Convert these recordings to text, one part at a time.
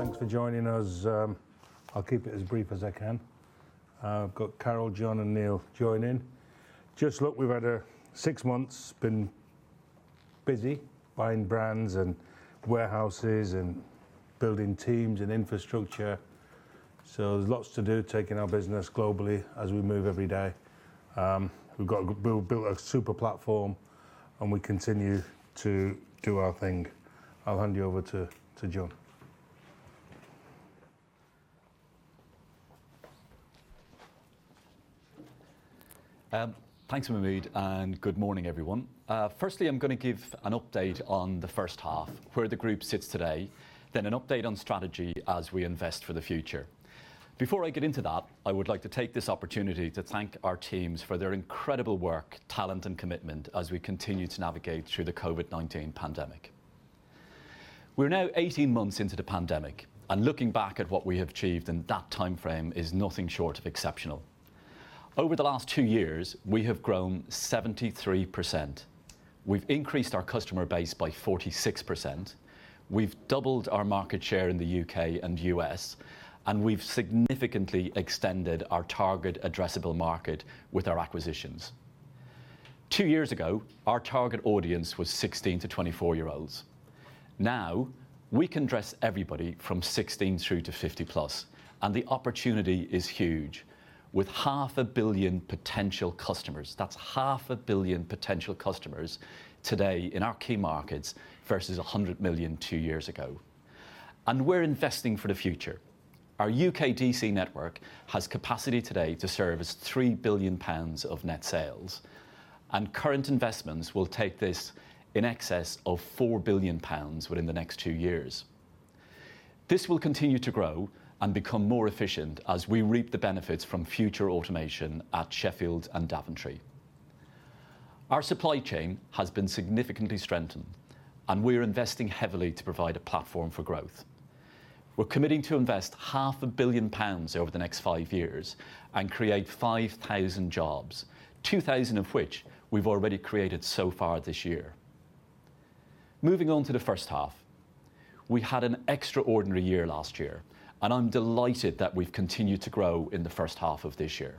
Thanks for joining us. I'll keep it as brief as I can. I've got Carol, John, and Neil joining. Just look, we've had six months, been busy buying brands and warehouses and building teams and infrastructure. There's lots to do, taking our business globally as we move every day. We've built a super platform, and we continue to do our thing. I'll hand you over to John. Thanks, Mahmud. Good morning, everyone. Firstly, I'm going to give an update on the first half, where the group sits today, then an update on strategy as we invest for the future. Before I get into that, I would like to take this opportunity to thank our teams for their incredible work, talent, and commitment as we continue to navigate through the COVID-19 pandemic. We're now 18 months into the pandemic, and looking back at what we have achieved in that timeframe is nothing short of exceptional. Over the last two years, we have grown 73%. We've increased our customer base by 46%. We've doubled our market share in the U.K. and U.S., and we've significantly extended our target addressable market with our acquisitions. Two years ago, our target audience was 16-24-year-olds. We can dress everybody from 16 through to 50 plus, and the opportunity is huge. With half a billion potential customers, that's half a billion potential customers today in our key markets versus 100 million two years ago, and we're investing for the future. Our U.K. D.C. network has capacity today to service 3 billion pounds of net sales. Current investments will take this in excess of 4 billion pounds within the next two years. This will continue to grow and become more efficient as we reap the benefits from future automation at Sheffield and Daventry. Our supply chain has been significantly strengthened, and we're investing heavily to provide a platform for growth. We're committing to invest half a billion pounds over the next five years and create 5,000 jobs, 2,000 of which we've already created so far this year. Moving on to the first half. We had an extraordinary year last year, and I'm delighted that we've continued to grow in the first half of this year.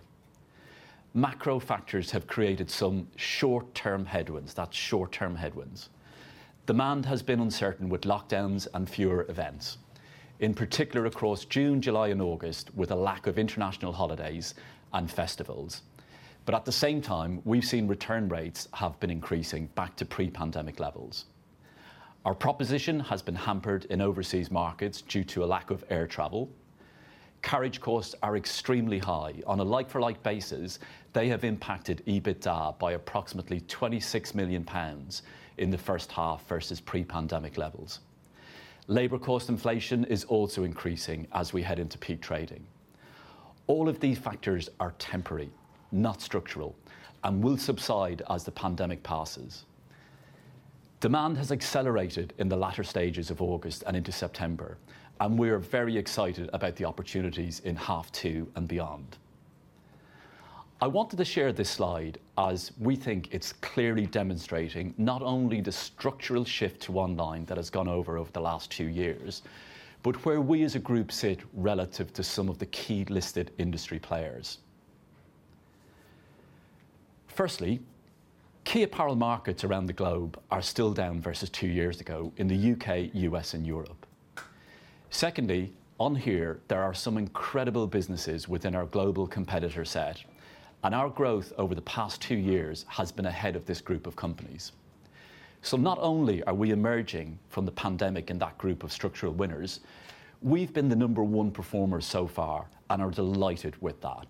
Macro factors have created some short-term headwinds. That's short-term headwinds. Demand has been uncertain with lockdowns and fewer events, in particular across June, July, and August, with a lack of international holidays and festivals. At the same time, we've seen return rates have been increasing back to pre-pandemic levels. Our proposition has been hampered in overseas markets due to a lack of air travel. Carriage costs are extremely high. On a like-for-like basis, they have impacted EBITDA by approximately 26 million pounds in the first half versus pre-pandemic levels. Labor cost inflation is also increasing as we head into peak trading. All of these factors are temporary, not structural, and will subside as the pandemic passes. Demand has accelerated in the latter stages of August and into September, and we're very excited about the opportunities in half two and beyond. I wanted to share this slide as we think it's clearly demonstrating not only the structural shift to online that has gone over the last 2 years, but where we as a group sit relative to some of the key listed industry players. Firstly, key apparel markets around the globe are still down versus two years ago in the U.K., U.S., and Europe. Secondly, on here, there are some incredible businesses within our global competitor set, and our growth over the past two years has been ahead of this group of companies. Not only are we emerging from the pandemic in that group of structural winners, we've been the number one performer so far and are delighted with that.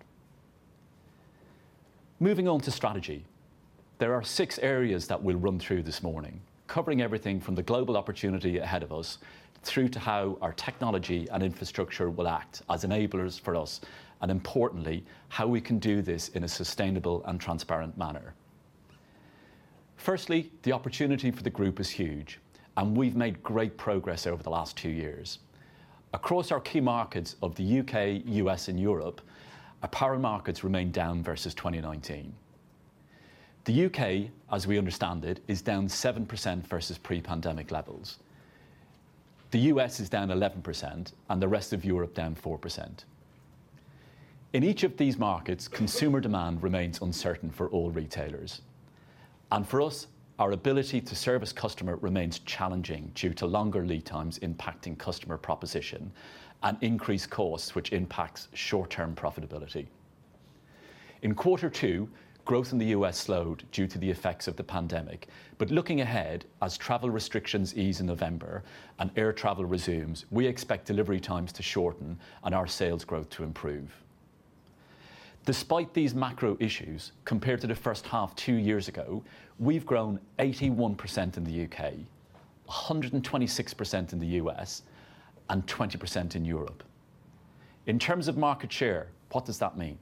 Moving on to strategy. There are six areas that we'll run through this morning, covering everything from the global opportunity ahead of us through to how our technology and infrastructure will act as enablers for us, and importantly, how we can do this in a sustainable and transparent manner. Firstly, the opportunity for the group is huge, and we've made great progress over the last two years. Across our key markets of the U.K., U.S., and Europe, apparel markets remain down versus 2019. The U.K., as we understand it, is down 7% versus pre-pandemic levels. The U.S. is down 11%, and the rest of Europe down 4%. In each of these markets, consumer demand remains uncertain for all retailers. For us, our ability to service customer remains challenging due to longer lead times impacting customer proposition and increased costs, which impacts short-term profitability. In quarter two, growth in the U.S. slowed due to the effects of the pandemic, but looking ahead, as travel restrictions ease in November and air travel resumes, we expect delivery times to shorten and our sales growth to improve. Despite these macro issues, compared to the first half two years ago, we've grown 81% in the U.K., 126% in the U.S., and 20% in Europe. In terms of market share, what does that mean?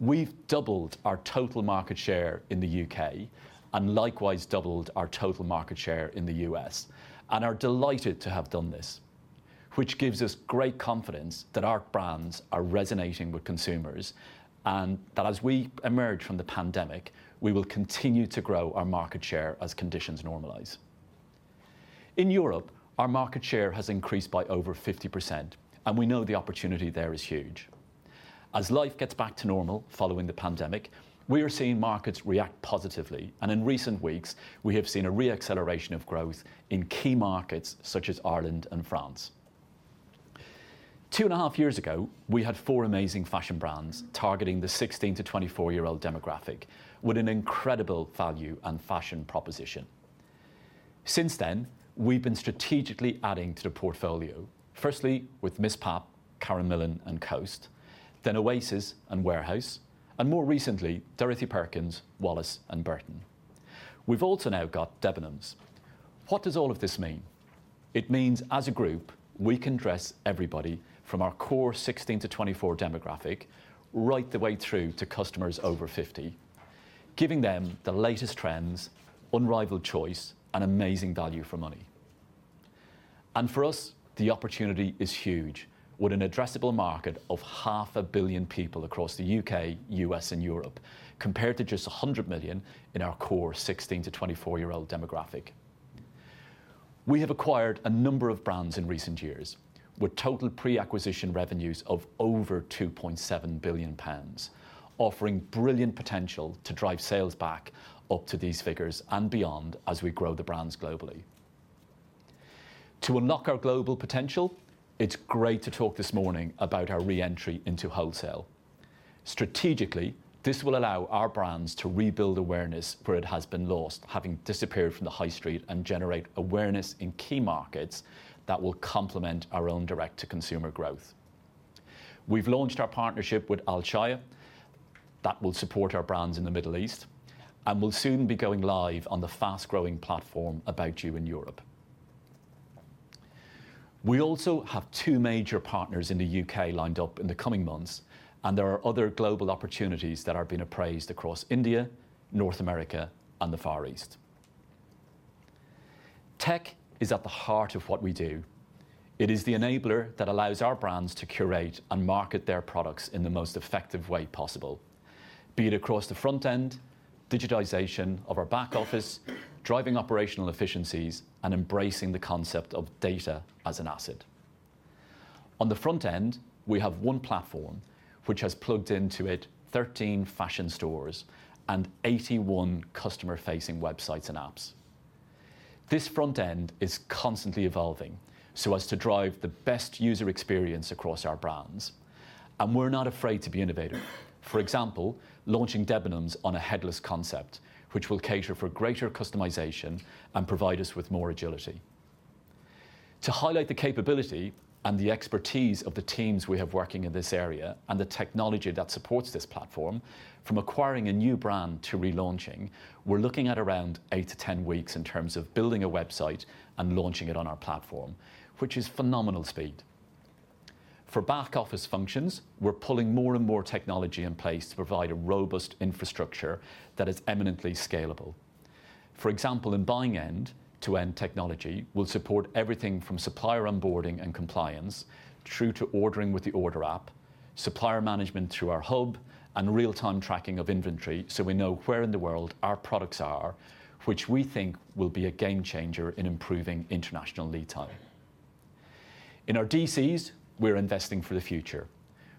We've doubled our total market share in the U.K. and likewise doubled our total market share in the U.S. and are delighted to have done this, which gives us great confidence that our brands are resonating with consumers and that as we emerge from the pandemic, we will continue to grow our market share as conditions normalize. In Europe, our market share has increased by over 50%, and we know the opportunity there is huge. As life gets back to normal following the pandemic, we are seeing markets react positively. In recent weeks, we have seen a re-acceleration of growth in key markets such as Ireland and France. Two and a half years ago, we had four amazing fashion brands targeting the 16 to 24-year-old demographic with an incredible value and fashion proposition. Since then, we've been strategically adding to the portfolio. Firstly, with MissPap, Karen Millen, and Coast, then Oasis and Warehouse, and more recently, Dorothy Perkins, Wallis, and Burton. We've also now got Debenhams. What does all of this mean? It means, as a group, we can dress everybody from our core 16 to 24 demographic right the way through to customers over 50, giving them the latest trends, unrivaled choice, and amazing value for money. For us, the opportunity is huge, with an addressable market of half a billion people across the U.K., U.S., and Europe, compared to just 100 million in our core 16 to 24-year-old demographic. We have acquired a number of brands in recent years with total pre-acquisition revenues of over 2.7 billion pounds, offering brilliant potential to drive sales back up to these figures and beyond as we grow the brands globally. To unlock our global potential, it's great to talk this morning about our re-entry into wholesale. Strategically, this will allow our brands to rebuild awareness where it has been lost, having disappeared from the high street, and generate awareness in key markets that will complement our own direct-to-consumer growth. We've launched our partnership with Alshaya Group that will support our brands in the Middle East, and will soon be going live on the fast-growing platform About You in Europe. We also have two major partners in the U.K. lined up in the coming months, and there are other global opportunities that are being appraised across India, North America, and the Far East. Tech is at the heart of what we do. It is the enabler that allows our brands to curate and market their products in the most effective way possible, be it across the front end, digitization of our back office, driving operational efficiencies, and embracing the concept of data as an asset. On the front end, we have one platform which has plugged into it 13 fashion stores and 81 customer-facing websites and apps. This front end is constantly evolving so as to drive the best user experience across our brands. We're not afraid to be innovative. For example, launching Debenhams on a headless concept, which will cater for greater customization and provide us with more agility. To highlight the capability and the expertise of the teams we have working in this area and the technology that supports this platform, from acquiring a new brand to relaunching, we're looking at around 8-10 weeks in terms of building a website and launching it on our platform, which is phenomenal speed. For back-office functions, we're pulling more and more technology in place to provide a robust infrastructure that is eminently scalable. For example, in buying end-to-end technology, we'll support everything from supplier onboarding and compliance through to ordering with the order app, supplier management through our hub, and real-time tracking of inventory so we know where in the world our products are, which we think will be a game changer in improving international lead time. In our DCs, we're investing for the future.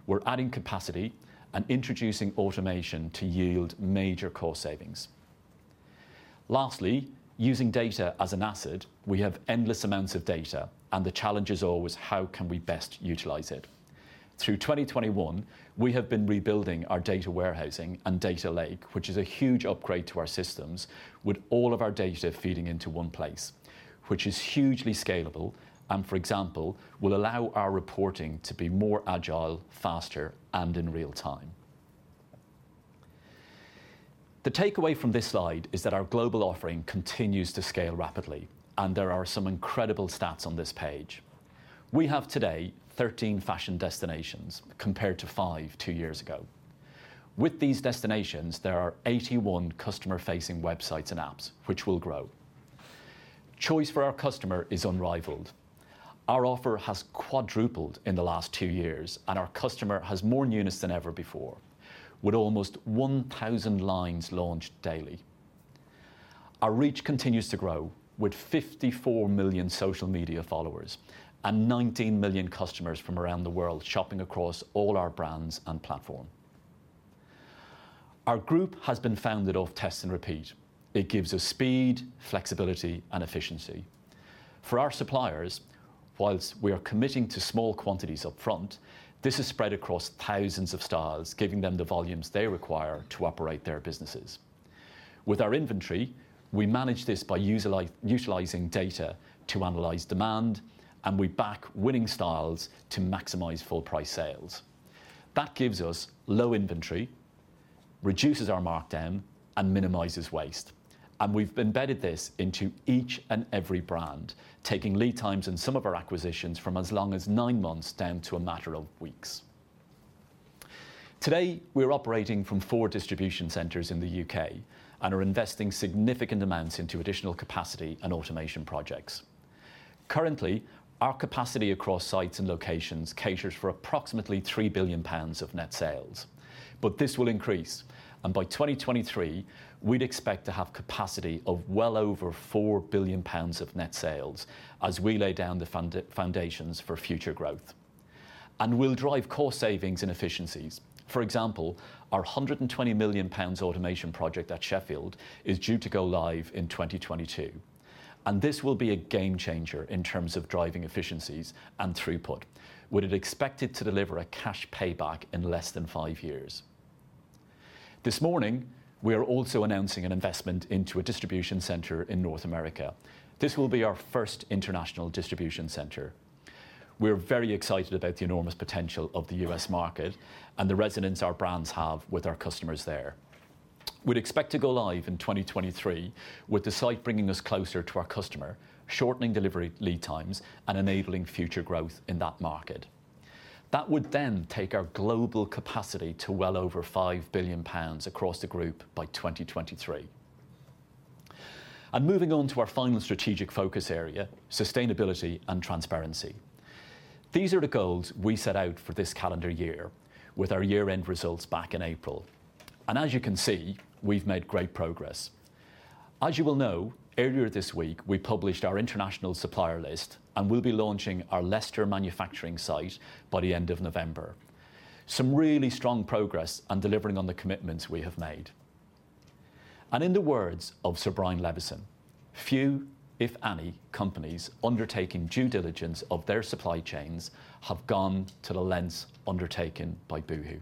We're adding capacity and introducing automation to yield major cost savings. Lastly, using data as an asset, we have endless amounts of data, and the challenge is always how can we best utilize it. Through 2021, we have been rebuilding our data warehousing and data lake, which is a huge upgrade to our systems with all of our data feeding into one place, which is hugely scalable and, for example, will allow our reporting to be more agile, faster, and in real time. The takeaway from this slide is that our global offering continues to scale rapidly, and there are some incredible stats on this page. We have today 13 fashion destinations, compared to five, two years ago. With these destinations, there are 81 customer-facing websites and apps, which will grow. Choice for our customer is unrivaled. Our offer has quadrupled in the last two years, and our customer has more newness than ever before, with almost 1,000 lines launched daily. Our reach continues to grow with 54 million social media followers and 19 million customers from around the world shopping across all our brands and platform. Our group has been founded off test and repeat. It gives us speed, flexibility, and efficiency. For our suppliers, while we are committing to small quantities up front, this is spread across thousands of styles, giving them the volumes they require to operate their businesses. With our inventory, we manage this by utilizing data to analyze demand, and we back winning styles to maximize full price sales. That gives us low inventory, reduces our markdown, and minimizes waste. We've embedded this into each and every brand, taking lead times in some of our acquisitions from as long as nine months down to a matter of weeks. Today, we're operating from 4 distribution centers in the U.K. and are investing significant amounts into additional capacity and automation projects. Currently, our capacity across sites and locations caters for approximately 3 billion pounds of net sales. This will increase. By 2023, we'd expect to have capacity of well over 4 billion pounds of net sales as we lay down the foundations for future growth. We'll drive cost savings and efficiencies. For example, our 120 million pounds automation project at Sheffield is due to go live in 2022, and this will be a game changer in terms of driving efficiencies and throughput, with it expected to deliver a cash payback in less than 5 years. This morning, we are also announcing an investment into a distribution center in North America. This will be our first international distribution center. We're very excited about the enormous potential of the U.S. market and the resonance our brands have with our customers there. We'd expect to go live in 2023, with the site bringing us closer to our customer, shortening delivery lead times, and enabling future growth in that market. That would take our global capacity to well over 5 billion pounds across the group by 2023. Moving on to our final strategic focus area, sustainability and transparency. These are the goals we set out for this calendar year with our year-end results back in April. As you can see, we've made great progress. As you will know, earlier this week we published our international supplier list, and we'll be launching our Leicester manufacturing site by the end of November. Some really strong progress on delivering on the commitments we have made. In the words of Sir Brian Leveson, "Few, if any, companies undertaking due diligence of their supply chains have gone to the lengths undertaken by boohoo."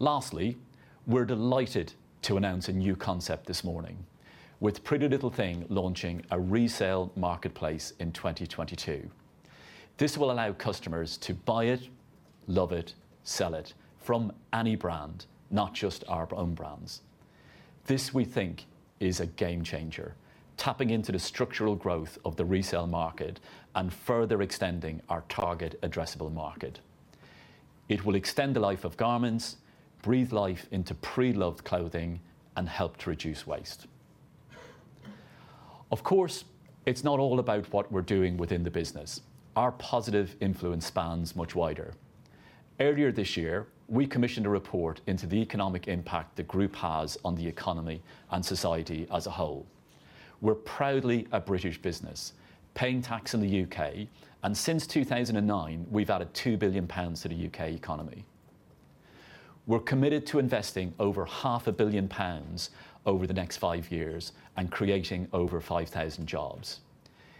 Lastly, we're delighted to announce a new concept this morning, with PrettyLittleThing launching a resale marketplace in 2022. This will allow customers to buy it, love it, sell it, from any brand, not just our own brands. This, we think, is a game changer, tapping into the structural growth of the resale market and further extending our target addressable market. It will extend the life of garments, breathe life into pre-loved clothing, and help to reduce waste. Of course, it's not all about what we're doing within the business. Our positive influence spans much wider. Earlier this year, we commissioned a report into the economic impact the group has on the economy and society as a whole. We're proudly a British business, paying tax in the U.K., and since 2009, we've added 2 billion pounds to the U.K. economy. We're committed to investing over half a billion pounds over the next five years and creating over 5,000 jobs.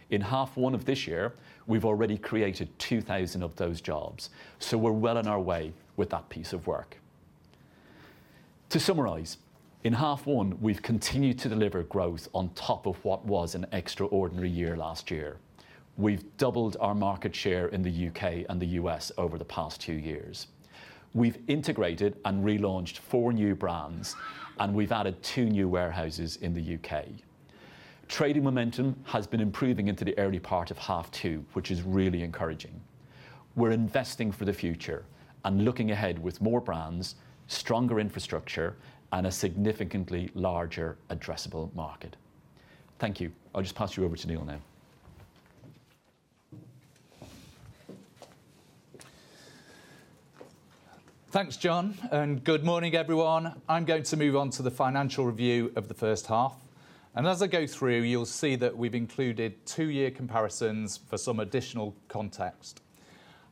In half one of this year, we've already created 2,000 of those jobs, so we're well on our way with that piece of work. To summarize, in half one, we've continued to deliver growth on top of what was an extraordinary year last year. We've doubled our market share in the U.K. and the U.S. over the past two years. We've integrated and relaunched four new brands, and we've added two new warehouses in the U.K. Trading momentum has been improving into the early part of half two, which is really encouraging. We're investing for the future and looking ahead with more brands, stronger infrastructure, and a significantly larger addressable market. Thank you. I'll just pass you over to Neil now. Thanks, John, and good morning, everyone. I'm going to move on to the financial review of the first half, and as I go through, you'll see that we've included two-year comparisons for some additional context.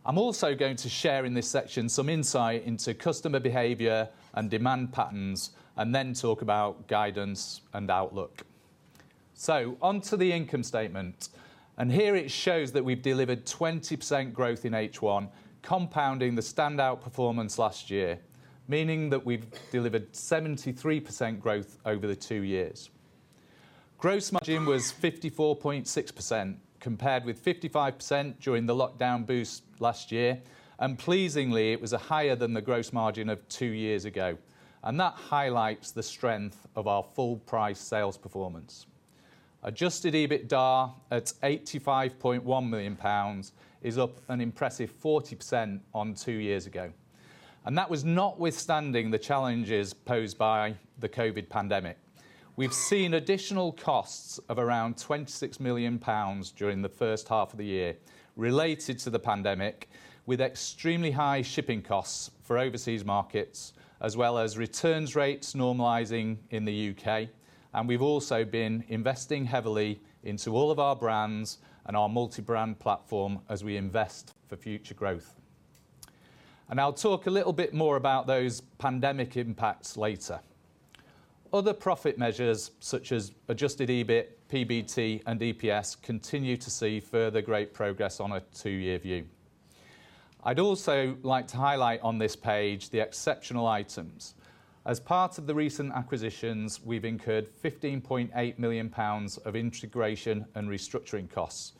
I'm also going to share in this section some insight into customer behavior and demand patterns and then talk about guidance and outlook. Onto the income statement, here it shows that we've delivered 20% growth in H1, compounding the standout performance last year, meaning that we've delivered 73% growth over the two years. Gross margin was 54.6%, compared with 55% during the lockdown boost last year. Pleasingly, it was higher than the gross margin of two years ago. That highlights the strength of our full price sales performance. Adjusted EBITDA at 85.1 million pounds is up an impressive 40% on two years ago. That was notwithstanding the challenges posed by the COVID-19 pandemic. We've seen additional costs of around 26 million pounds during the first half of the year related to the pandemic, with extremely high shipping costs for overseas markets, as well as returns rates normalizing in the U.K. We've also been investing heavily into all of our brands and our multi-brand platform as we invest for future growth. I'll talk a little bit more about those pandemic impacts later. Other profit measures such as adjusted EBIT, PBT, and EPS continue to see further great progress on a two-year view. I'd also like to highlight on this page the exceptional items. As part of the recent acquisitions, we've incurred 15.8 million pounds of integration and restructuring costs.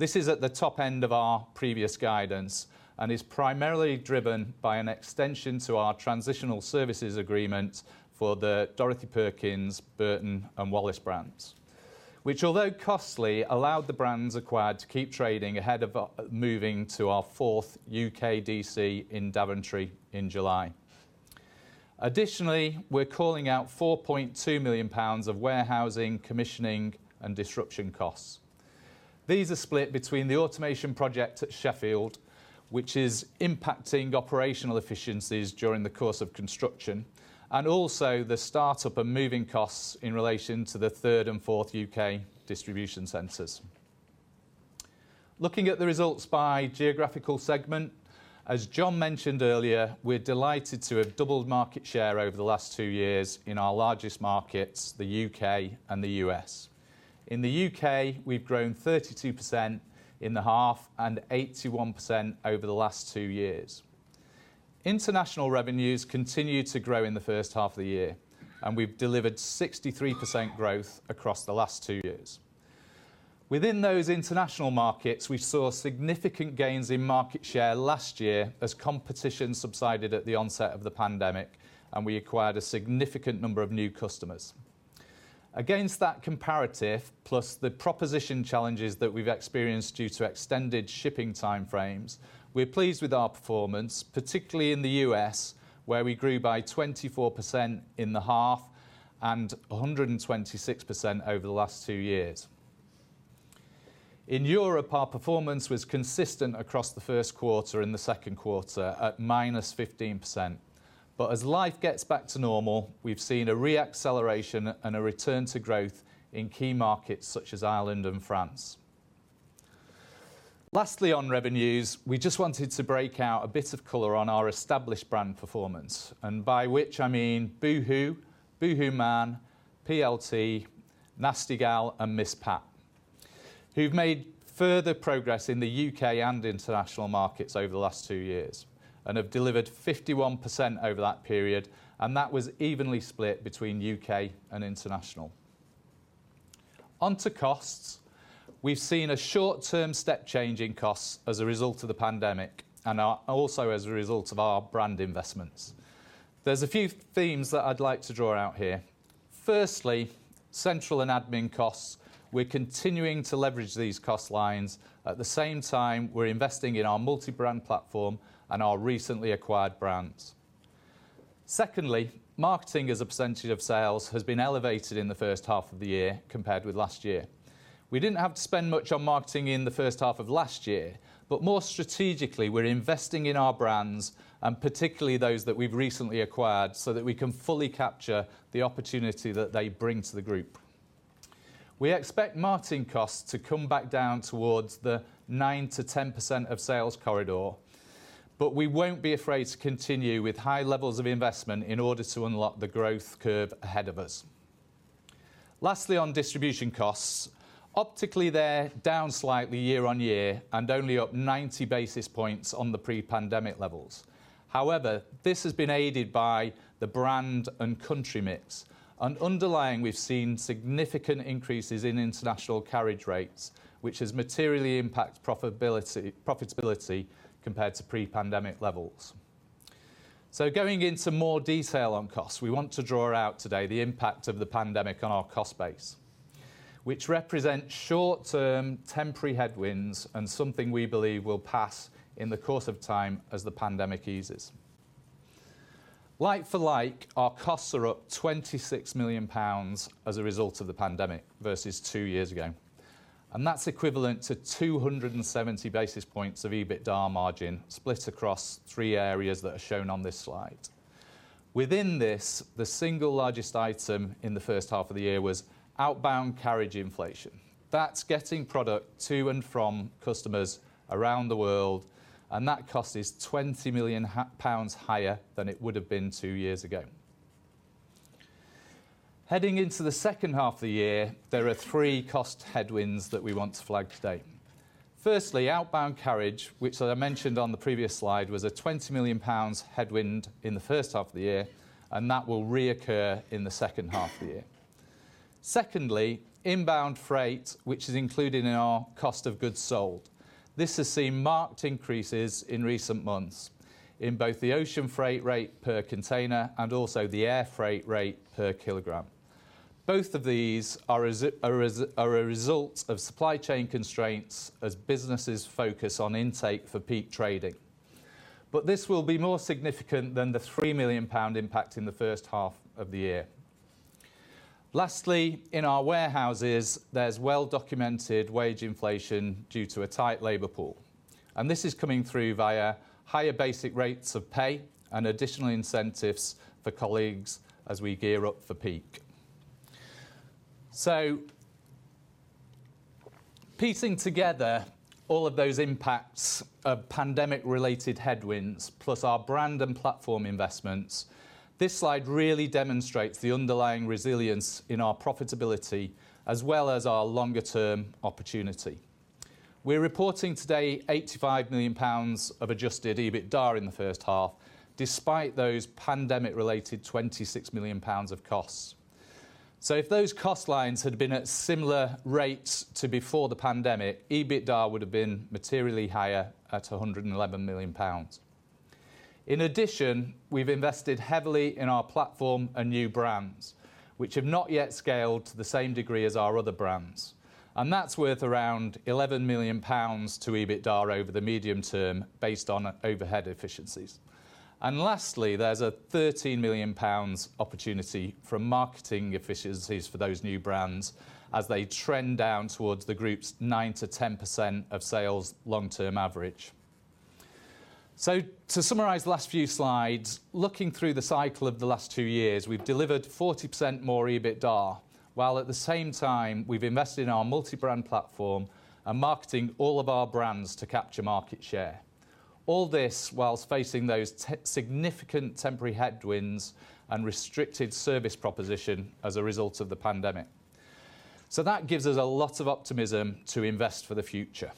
This is at the top end of our previous guidance and is primarily driven by an extension to our transitional services agreement for the Dorothy Perkins, Burton, and Wallis brands, which, although costly, allowed the brands acquired to keep trading ahead of moving to our fourth U.K. D.C. in Daventry in July. Additionally, we're calling out 4.2 million pounds of warehousing, commissioning, and disruption costs. These are split between the automation project at Sheffield, which is impacting operational efficiencies during the course of construction, and also the startup and moving costs in relation to the third and fourth U.K. distribution centers. Looking at the results by geographical segment, as John mentioned earlier, we're delighted to have doubled market share over the last two years in our largest markets, the U.K. and the U.S. In the U.K., we've grown 32% in the half and 81% over the last two years. International revenues continued to grow in the first half of the year, and we've delivered 63% growth across the last two years. Within those international markets, we saw significant gains in market share last year as competition subsided at the onset of the pandemic, and we acquired a significant number of new customers. Against that comparative, plus the proposition challenges that we've experienced due to extended shipping time frames, we are pleased with our performance, particularly in the U.S., where we grew by 24% in the half and 126% over the last two years. In Europe, our performance was consistent across the first quarter and the second quarter at -15%. As life gets back to normal, we've seen a re-acceleration and a return to growth in key markets such as Ireland and France. On revenues, we just wanted to break out a bit of color on our established brand performance. By which I mean boohoo, boohooMAN, PLT, Nasty Gal, and MissPap, who've made further progress in the U.K. and international markets over the last two years and have delivered 51% over that period, and that was evenly split between U.K. and international. Onto costs, we've seen a short-term step change in costs as a result of COVID-19 and also as a result of our brand investments. There's a few themes that I'd like to draw out here. Firstly, central and admin costs. We're continuing to leverage these cost lines. At the same time, we're investing in our multi-brand platform and our recently acquired brands. Secondly, marketing as a percentage of sales has been elevated in H1 of the year compared with last year. We didn't have to spend much on marketing in the first half of last year. More strategically, we're investing in our brands and particularly those that we've recently acquired, so that we can fully capture the opportunity that they bring to the group. We expect marketing costs to come back down towards the 9%-10% of sales corridor, but we won't be afraid to continue with high levels of investment in order to unlock the growth curve ahead of us. Lastly, on distribution costs. Optically, they're down slightly year-on-year and only up 90 basis points on the pre-pandemic levels. This has been aided by the brand and country mix. Underlying, we've seen significant increases in international carriage rates, which has materially impacted profitability compared to pre-pandemic levels. Going into more detail on costs, we want to draw out today the impact of the pandemic on our cost base, which represents short-term temporary headwinds and something we believe will pass in the course of time as the pandemic eases. Like for like, our costs are up 26 million pounds as a result of the pandemic versus two years ago, and that's equivalent to 270 basis points of EBITDA margin split across 3 areas that are shown on this slide. Within this, the single largest item in the first half of the year was outbound carriage inflation. That's getting product to and from customers around the world, and that cost is 20 million pounds higher than it would have been two years ago. Heading into the second half of the year, there are three cost headwinds that we want to flag today. Firstly, outbound carriage, which as I mentioned on the previous slide, was a 20 million pounds headwind in the first half of the year, and that will reoccur in the second half of the year. Secondly, inbound freight, which is included in our cost of goods sold. This has seen marked increases in recent months in both the ocean freight rate per container and also the air freight rate per kilogram. Both of these are a result of supply chain constraints as businesses focus on intake for peak trading. This will be more significant than the 3 million pound impact in the first half of the year. Lastly, in our warehouses, there is well-documented wage inflation due to a tight labor pool, and this is coming through via higher basic rates of pay and additional incentives for colleagues as we gear up for peak. Piecing together all of those impacts of pandemic-related headwinds, plus our brand and platform investments, this slide really demonstrates the underlying resilience in our profitability as well as our longer term opportunity. We're reporting today 85 million pounds of adjusted EBITDA in the first half, despite those pandemic-related 26 million pounds of costs. If those cost lines had been at similar rates to before the pandemic, EBITDA would have been materially higher at 111 million pounds. In addition, we've invested heavily in our platform and new brands, which have not yet scaled to the same degree as our other brands. And that's worth around 11 million pounds to EBITDA over the medium term based on overhead efficiencies. Lastly, there's a 13 million pounds opportunity from marketing efficiencies for those new brands as they trend down towards the group's 9%-10% of sales long-term average. To summarize the last two years, we've delivered 40% more EBITDA, while at the same time we've invested in our multi-brand platform and marketing all of our brands to capture market share. All this whilst facing those significant temporary headwinds and restricted service proposition as a result of the pandemic. That gives us a lot of optimism to invest for the future.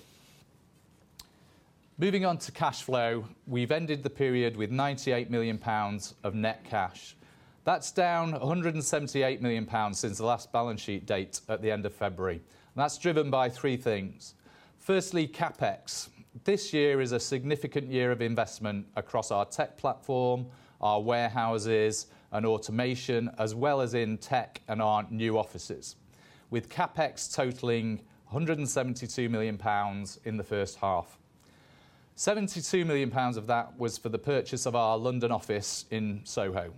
Moving on to cash flow. We've ended the period with 98 million pounds of net cash. That's down 178 million pounds since the last balance sheet date at the end of February, and that's driven by three things. Firstly, CapEx. This year is a significant year of investment across our tech platform, our warehouses, and automation, as well as in tech and our new offices, with CapEx totaling 172 million pounds in the first half. 72 million of that was for the purchase of our London office in Soho.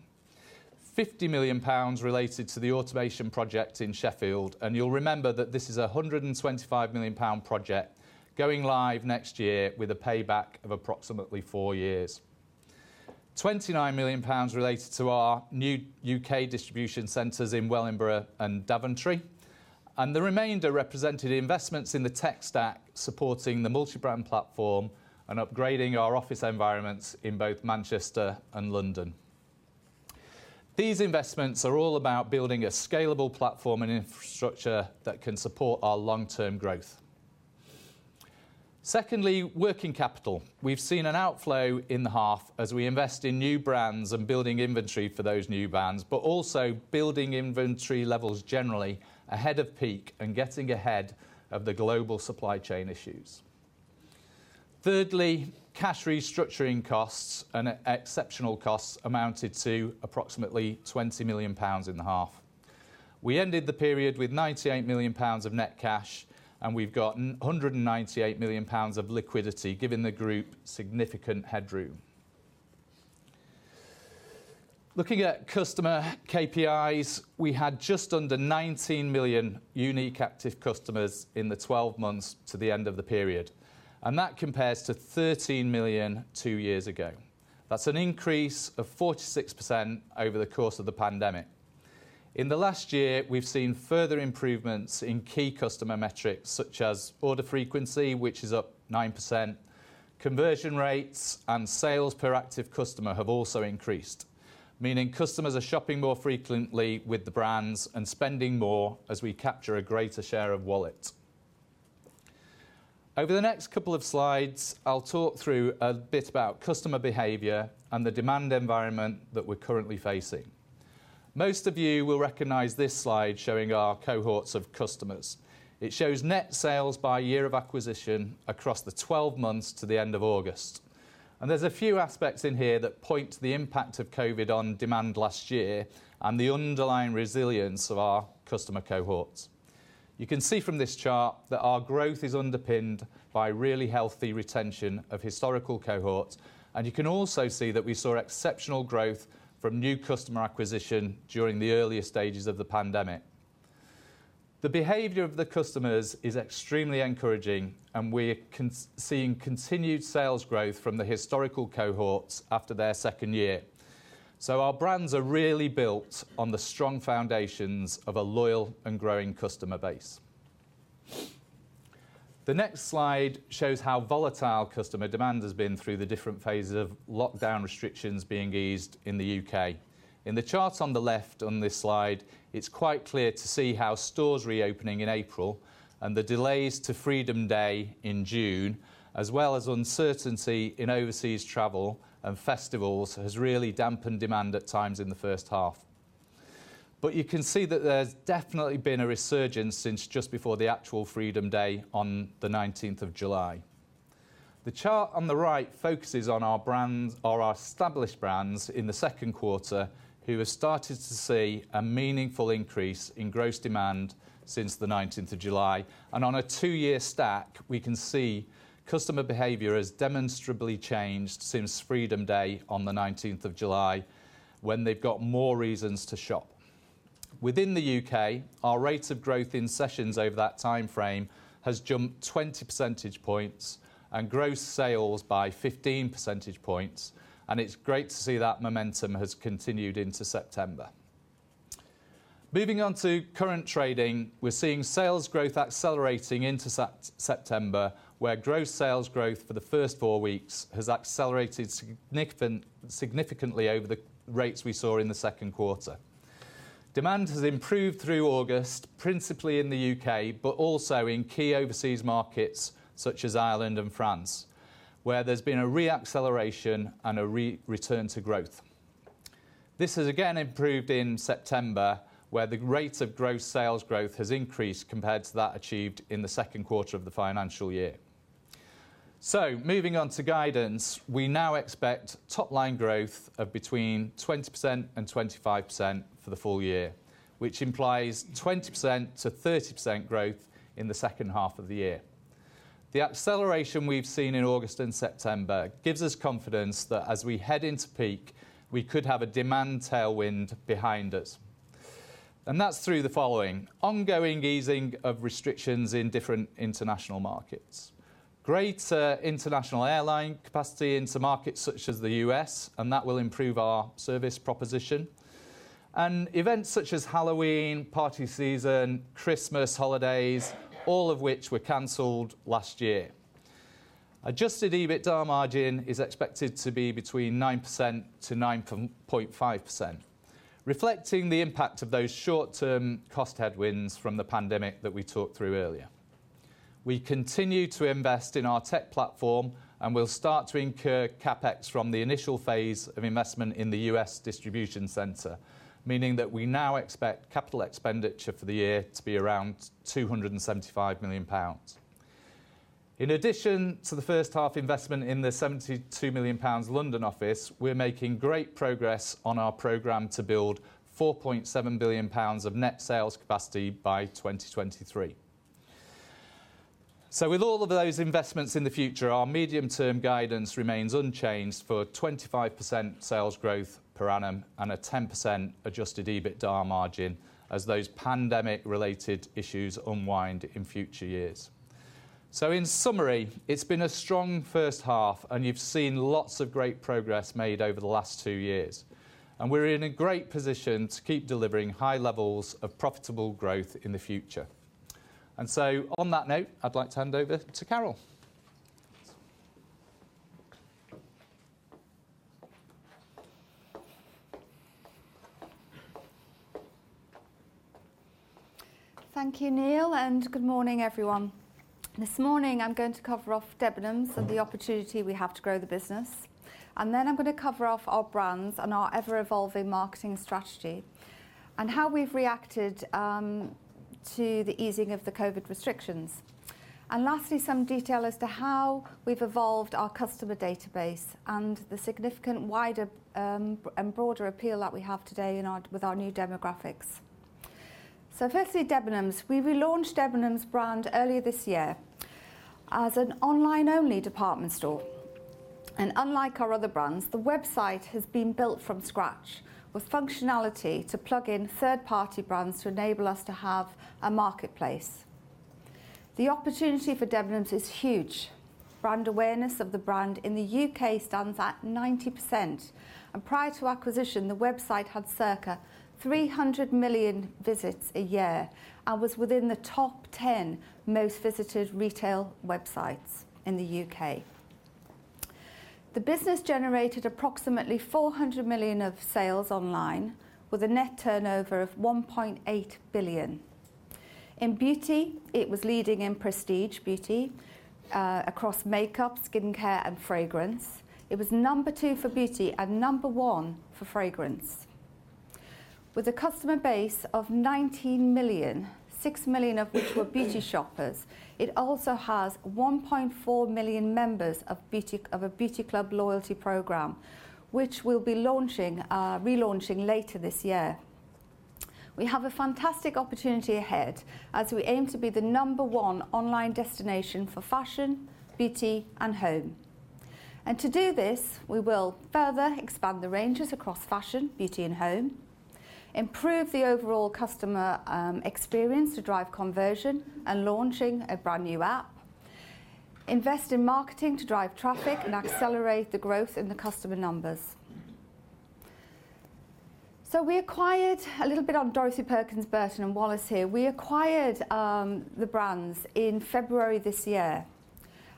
50 million pounds related to the automation project in Sheffield, you'll remember that this is a 125 million pound project going live next year with a payback of approximately four years. 29 million pounds related to our new U.K. distribution centers in Wellingborough and Daventry, and the remainder represented investments in the tech stack, supporting the multi-brand platform and upgrading our office environments in both Manchester and London. These investments are all about building a scalable platform and infrastructure that can support our long-term growth. Secondly, working capital. We've seen an outflow in the half as we invest in new brands and building inventory for those new brands, but also building inventory levels generally ahead of peak and getting ahead of the global supply chain issues. Thirdly, cash restructuring costs and exceptional costs amounted to approximately 20 million pounds in the H1. We ended the period with 98 million pounds of net cash, and we've got 198 million pounds of liquidity, giving the group significant headroom. Looking at customer KPIs, we had just under 19 million unique active customers in the 12 months to the end of the period, and that compares to 13 million two years ago. That's an increase of 46% over the course of the pandemic. In the last year, we've seen further improvements in key customer metrics such as order frequency, which is up 9%. Conversion rates and sales per active customer have also increased, meaning customers are shopping more frequently with the brands and spending more as we capture a greater share of wallet. Over the next couple of slides, I'll talk through a bit about customer behavior and the demand environment that we're currently facing. Most of you will recognize this slide showing our cohorts of customers. It shows net sales by year of acquisition across the 12 months to the end of August. There's a few aspects in here that point to the impact of COVID-19 on demand last year and the underlying resilience of our customer cohorts. You can see from this chart that our growth is underpinned by really healthy retention of historical cohorts, and you can also see that we saw exceptional growth from new customer acquisition during the earlier stages of the pandemic. The behavior of the customers is extremely encouraging, and we are seeing continued sales growth from the historical cohorts after their second year. Our brands are really built on the strong foundations of a loyal and growing customer base. The next slide shows how volatile customer demand has been through the different phases of lockdown restrictions being eased in the U.K. In the charts on the left on this slide, it's quite clear to see how stores reopening in April and the delays to Freedom Day in June, as well as uncertainty in overseas travel and festivals, has really dampened demand at times in the first half. You can see that there's definitely been a resurgence since just before the actual Freedom Day on the 19th of July. The chart on the right focuses on our established brands in the second quarter who have started to see a meaningful increase in gross demand since the 19th of July. On a two-year stack, we can see customer behavior has demonstrably changed since Freedom Day on the 19th of July, when they've got more reasons to shop. Within the U.K., our rate of growth in sessions over that timeframe has jumped 20 percentage points and gross sales by 15 percentage points. It's great to see that momentum has continued into September. Moving on to current trading. We're seeing sales growth accelerating into September, where gross sales growth for the first four weeks has accelerated significantly over the rates we saw in the second quarter. Demand has improved through August, principally in the U.K., but also in key overseas markets such as Ireland and France, where there's been a re-acceleration and a return to growth. This has again improved in September, where the rate of gross sales growth has increased compared to that achieved in the second quarter of the financial year. Moving on to guidance, we now expect top-line growth of between 20% and 25% for the full year, which implies 20% to 30% growth in the second half of the year. The acceleration we've seen in August and September gives us confidence that as we head into peak, we could have a demand tailwind behind us. That's through the following: ongoing easing of restrictions in different international markets, greater international airline capacity into markets such as the U.S., and that will improve our service proposition, and events such as Halloween, party season, Christmas holidays, all of which were canceled last year. Adjusted EBITDA margin is expected to be between 9%-9.5%, reflecting the impact of those short-term cost headwinds from the pandemic that we talked through earlier. We continue to invest in our tech platform, and we'll start to incur CapEx from the initial phase of investment in the U.S. distribution center, meaning that we now expect capital expenditure for the year to be around 275 million pounds. In addition to the first half investment in the 72 million pounds London office, we're making great progress on our program to build 4.7 billion pounds of net sales capacity by 2023. With all of those investments in the future, our medium-term guidance remains unchanged for 25% sales growth per annum and a 10% adjusted EBITDA margin as those pandemic-related issues unwind in future years. In summary, it's been a strong first half, and you've seen lots of great progress made over the last two years. We're in a great position to keep delivering high levels of profitable growth in the future. On that note, I'd like to hand over to Carol. Thank you, Neil, and good morning, everyone. This morning, I'm going to cover off Debenhams and the opportunity we have to grow the business, and then I'm going to cover off our brands and our ever-evolving marketing strategy and how we've reacted to the easing of the COVID restrictions. Lastly, some detail as to how we've evolved our customer database and the significant wider and broader appeal that we have today with our new demographics. Firstly, Debenhams. We relaunched Debenhams brand earlier this year as an online-only department store. Unlike our other brands, the website has been built from scratch with functionality to plug in third-party brands to enable us to have a marketplace. The opportunity for Debenhams is huge. Brand awareness of the brand in the U.K. stands at 90%. Prior to acquisition, the website had circa 300 million visits a year and was within the top 10 most visited retail websites in the U.K. The business generated approximately 400 million of sales online with a net turnover of 1.8 billion. In beauty, it was leading in prestige beauty across makeup, skincare, and fragrance. It was number two for beauty and number one for fragrance. With a customer base of 19 million, 6 million of which were beauty shoppers, it also has 1.4 million members of a beauty club loyalty program, which we'll be relaunching later this year. We have a fantastic opportunity ahead as we aim to be the number one online destination for fashion, beauty, and home. To do this, we will further expand the ranges across fashion, beauty and home, improve the overall customer experience to drive conversion and launching a brand new app, invest in marketing to drive traffic and accelerate the growth in the customer numbers. A little bit on Dorothy Perkins, Burton and Wallis here. We acquired the brands in February this year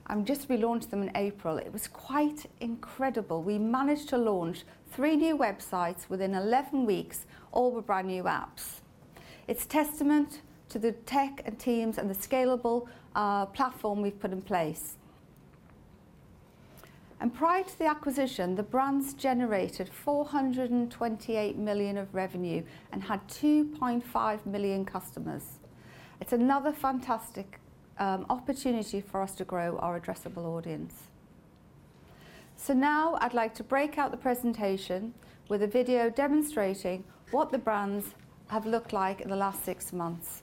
and just relaunched them in April. It was quite incredible. We managed to launch three new websites within 11 weeks, all with brand-new apps. It is testament to the tech and teams and the scalable platform we have put in place. Prior to the acquisition, the brands generated 428 million of revenue and had 2.5 million customers. It is another fantastic opportunity for us to grow our addressable audience. Now I'd like to break out the presentation with a video demonstrating what the brands have looked like in the last six months.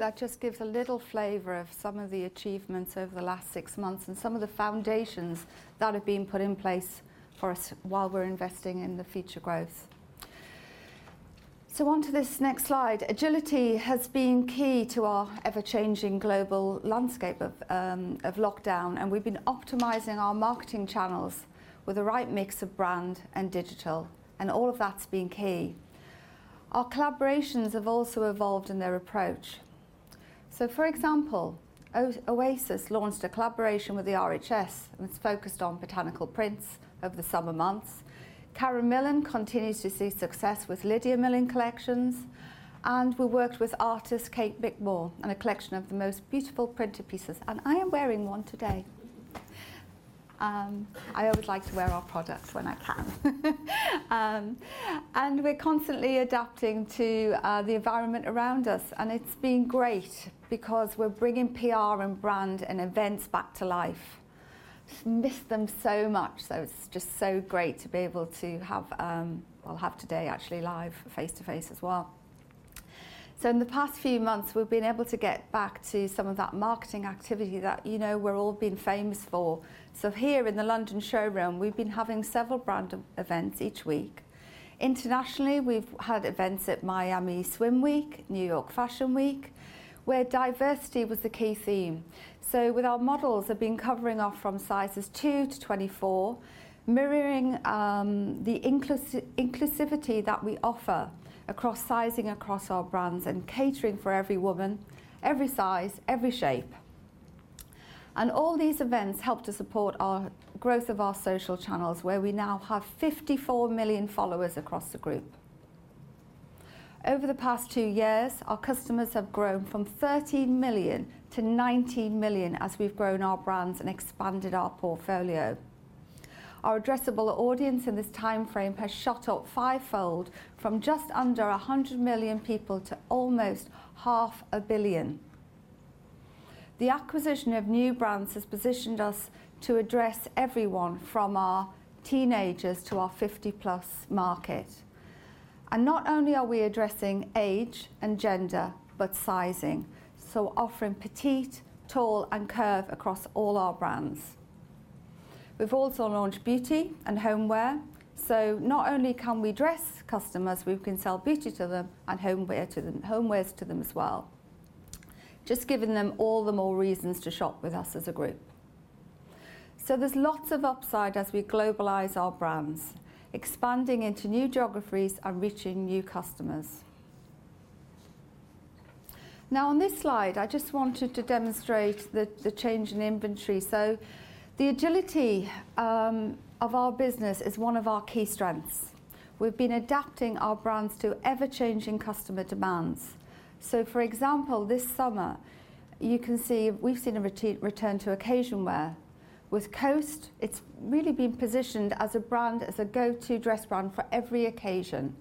I hope that just gives a little flavor of some of the achievements over the last six months and some of the foundations that have been put in place for us while we're investing in the future growth. On to this next slide. Agility has been key to our ever-changing global landscape of lockdown, and we've been optimizing our marketing channels with the right mix of brand and digital, and all of that's been key. Our collaborations have also evolved in their approach. For example, Oasis launched a collaboration with the RHS, and it's focused on botanical prints over the summer months. Karen Millen continues to see success with Lydia Millen collections, and we worked with artist Kate McMorrine on a collection of the most beautiful printed pieces. I am wearing one today. I always like to wear our products when I can. We're constantly adapting to the environment around us. It's been great because we're bringing PR and brand and events back to life. Missed them so much. It's just so great to be able to have, well, have today actually live face-to-face as well. In the past few months we've been able to get back to some of that marketing activity that we're all being famous for. Here in the London showroom we've been having several brand events each week. Internationally, we've had events at Miami Swim Week, New York Fashion Week, where diversity was the key theme. With our models have been covering off from sizes two-24, mirroring the inclusivity that we offer across sizing across our brands and catering for every woman, every size, every shape. All these events help to support our growth of our social channels, where we now have 54 million followers across the group. Over the past two years, our customers have grown from 13 million-19 million as we've grown our brands and expanded our portfolio. Our addressable audience in this timeframe has shot up fivefold from just under 100 million people to almost half a billion. The acquisition of new brands has positioned us to address everyone from our teenagers to our 50-plus market. Not only are we addressing age and gender, but sizing, so offering petite, tall, and curve across all our brands. We've also launched beauty and homeware, so not only can we dress customers, we can sell beauty to them and homewares to them as well. Just giving them all the more reasons to shop with us as a group. There's lots of upside as we globalize our brands, expanding into new geographies and reaching new customers. Now on this slide, I just wanted to demonstrate the change in inventory. The agility of our business is one of our key strengths. We've been adapting our brands to ever-changing customer demands. For example, this summer, you can see we've seen a return to occasion wear. With Coast, it's really been positioned as a brand, as a go-to dress brand for every occasion.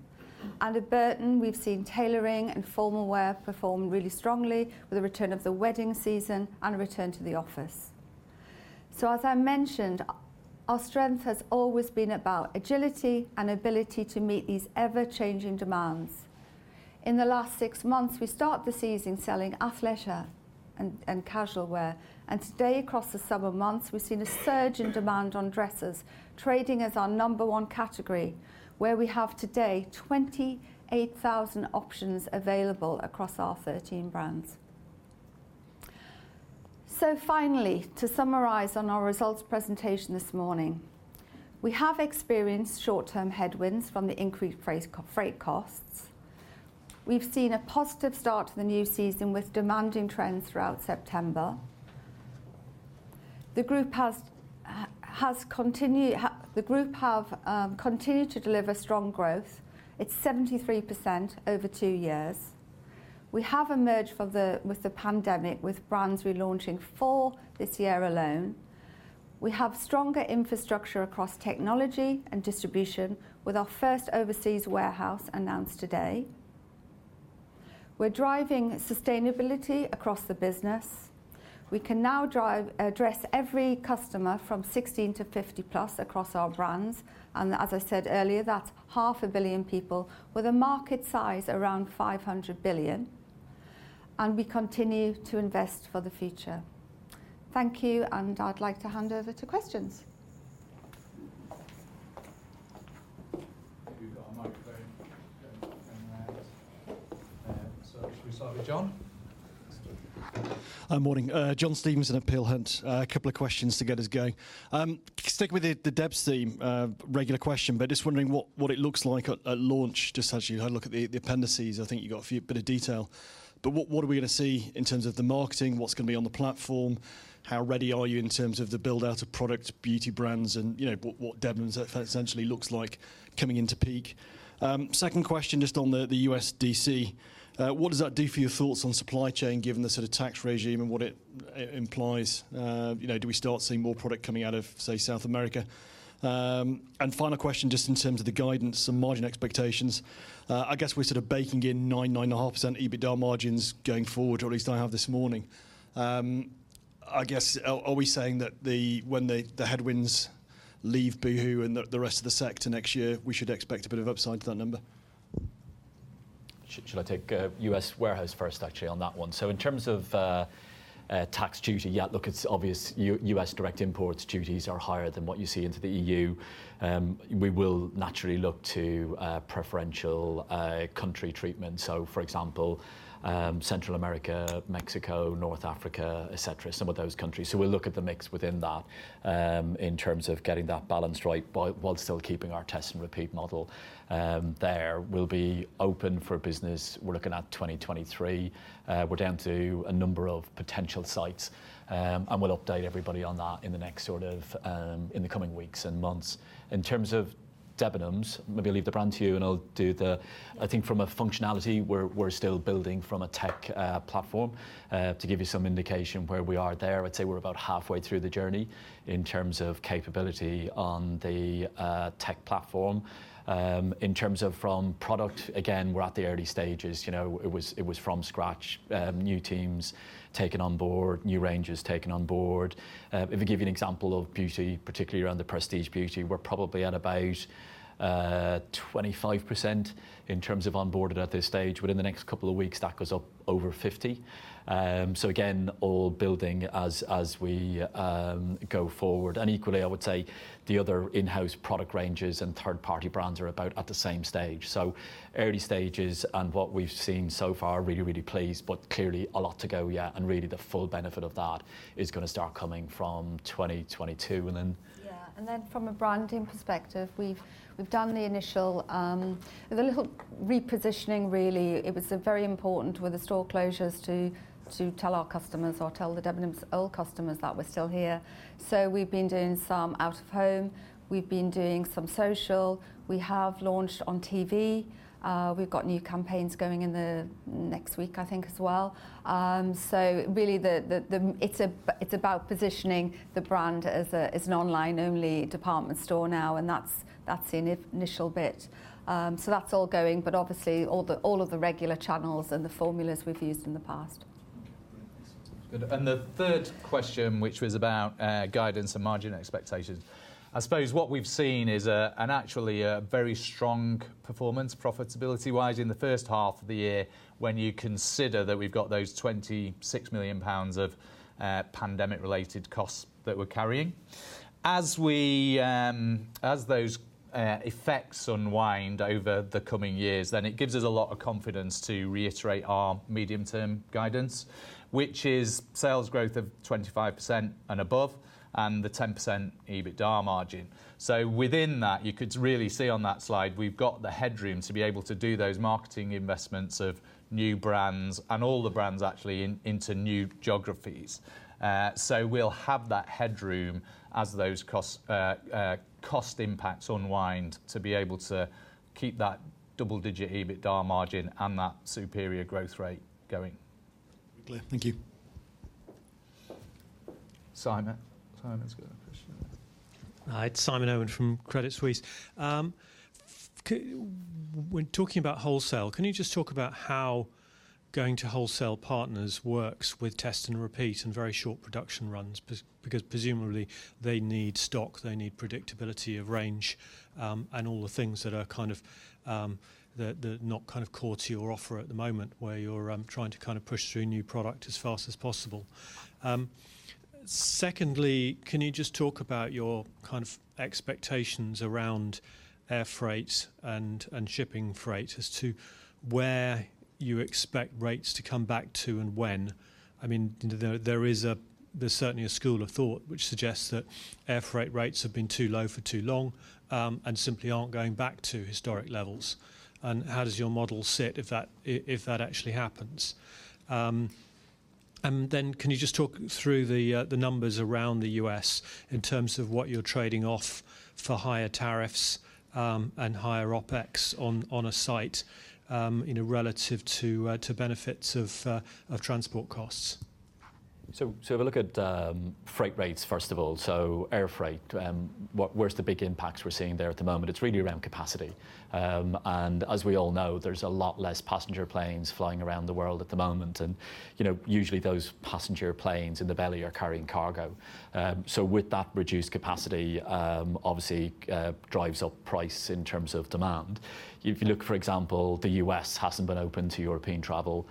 And at Burton, we've seen tailoring and formal wear perform really strongly with the return of the wedding season and a return to the office. As I mentioned, our strength has always been about agility and ability to meet these ever-changing demands. In the last 6 months, we start the season selling athleisure and casual wear, and today across the summer months, we've seen a surge in demand on dresses trading as our number one category, where we have today 28,000 options available across our 13 brands. Finally, to summarize on our results presentation this morning. We have experienced short-term headwinds from the increased freight costs. We've seen a positive start to the new season with demanding trends throughout September. The group have continued to deliver strong growth. It's 73% over two years. We have emerged with the pandemic with brands relaunching four this year alone. We have stronger infrastructure across technology and distribution with our first overseas warehouse announced today. We're driving sustainability across the business. We can now address every customer from 16 to 50 plus across our brands, and as I said earlier, that's half a billion people with a market size around 500 billion. We continue to invest for the future. Thank you, and I'd like to hand over to questions. Have you got a microphone? There's one coming around. Should we start with John? Morning. John Stevenson at Peel Hunt. A couple of questions to get us going. Sticking with the Debs theme, regular question, but just wondering what it looks like at launch, just as you look at the appendices, I think you got a few bit of detail, but what are we going to see in terms of the marketing? What's going to be on the platform? How ready are you in terms of the build-out of product, beauty brands, and what Debenhams essentially looks like coming into peak? Second question, just on the USDC. What does that do for your thoughts on supply chain, given the sort of tax regime and what it implies? Do we start seeing more product coming out of, say, South America? Final question, just in terms of the guidance and margin expectations, I guess we're sort of baking in 9%-9.5% EBITDA margins going forward, or at least I have this morning. I guess, are we saying that when the headwinds leave boohoo and the rest of the sector next year, we should expect a bit of upside to that number? Should I take U.S. warehouse first, actually, on that one? In terms of tax duty, yeah, look, it's obvious, U.S. direct imports duties are higher than what you see into the EU. We will naturally look to preferential country treatment. For example Central America, Mexico, North Africa, et cetera, some of those countries. We'll look at the mix within that, in terms of getting that balance right, while still keeping our test and repeat model there. We'll be open for business, we're looking at 2023. We're down to a number of potential sites, and we'll update everybody on that in the coming weeks and months. In terms of Debenhams, maybe I'll leave the brand to you. I think from a functionality, we're still building from a tech platform. To give you some indication where we are there, I would say we're about halfway through the journey in terms of capability on the tech platform. In terms of from product, again, we're at the early stages. It was from scratch. New teams taken on board, new ranges taken on board. If I give you an example of beauty, particularly around the prestige beauty, we're probably at about 25% in terms of onboarded at this stage. Within the next couple of weeks, that goes up over 50%. Again, all building as we go forward. Equally, I would say the other in-house product ranges and third-party brands are about at the same stage. Early stages, and what we've seen so far, really, really pleased, but clearly a lot to go yet, and really the full benefit of that is going to start coming from 2022. From a branding perspective, we've done the initial, the little repositioning really. It was very important with the store closures to tell our customers or tell the Debenhams old customers that we're still here. We've been doing some out of home. We've been doing some social. We have launched on TV, we've got new campaigns going in next week, I think, as well. Really, it's about positioning the brand as an online only department store now, and that's the initial bit. That's all going, but obviously all of the regular channels and the formulas we've used in the past. Good. The third question, which was about guidance and margin expectations. I suppose what we've seen is an actually very strong performance profitability-wise in the first half of the year when you consider that we've got those 26 million pounds of pandemic-related costs that we're carrying. As those effects unwind over the coming years, then it gives us a lot of confidence to reiterate our medium term guidance, which is sales growth of 25% and above, and the 10% EBITDA margin. Within that, you could really see on that slide, we've got the headroom to be able to do those marketing investments of new brands and all the brands actually into new geographies. We'll have that headroom as those cost impacts unwind to be able to keep that double digit EBITDA margin and that superior growth rate going. Clear. Thank you. Simon. Simon's got a question. Hi, it's Simon Irwin from Credit Suisse. When talking about wholesale, can you just talk about how going to wholesale partners works with test and repeat and very short production runs? Because presumably they need stock, they need predictability of range, and all the things that are not kind of core to your offer at the moment, where you're trying to push through new product as fast as possible. Secondly, can you just talk about your expectations around air freight and shipping freight as to where you expect rates to come back to and when? There's certainly a school of thought which suggests that air freight rates have been too low for too long, and simply aren't going back to historic levels. How does your model sit if that actually happens? Can you just talk through the numbers around the U.S. in terms of what you're trading off for higher tariffs, and higher OpEx on a site, in a relative to benefits of transport costs? If we look at freight rates first of all, so air freight, where's the big impacts we're seeing there at the moment? It's really around capacity. As we all know, there's a lot less passenger planes flying around the world at the moment, and usually those passenger planes, in the belly, are carrying cargo. With that reduced capacity, obviously drives up price in terms of demand. If you look, for example, the U.S. hasn't been open to European travel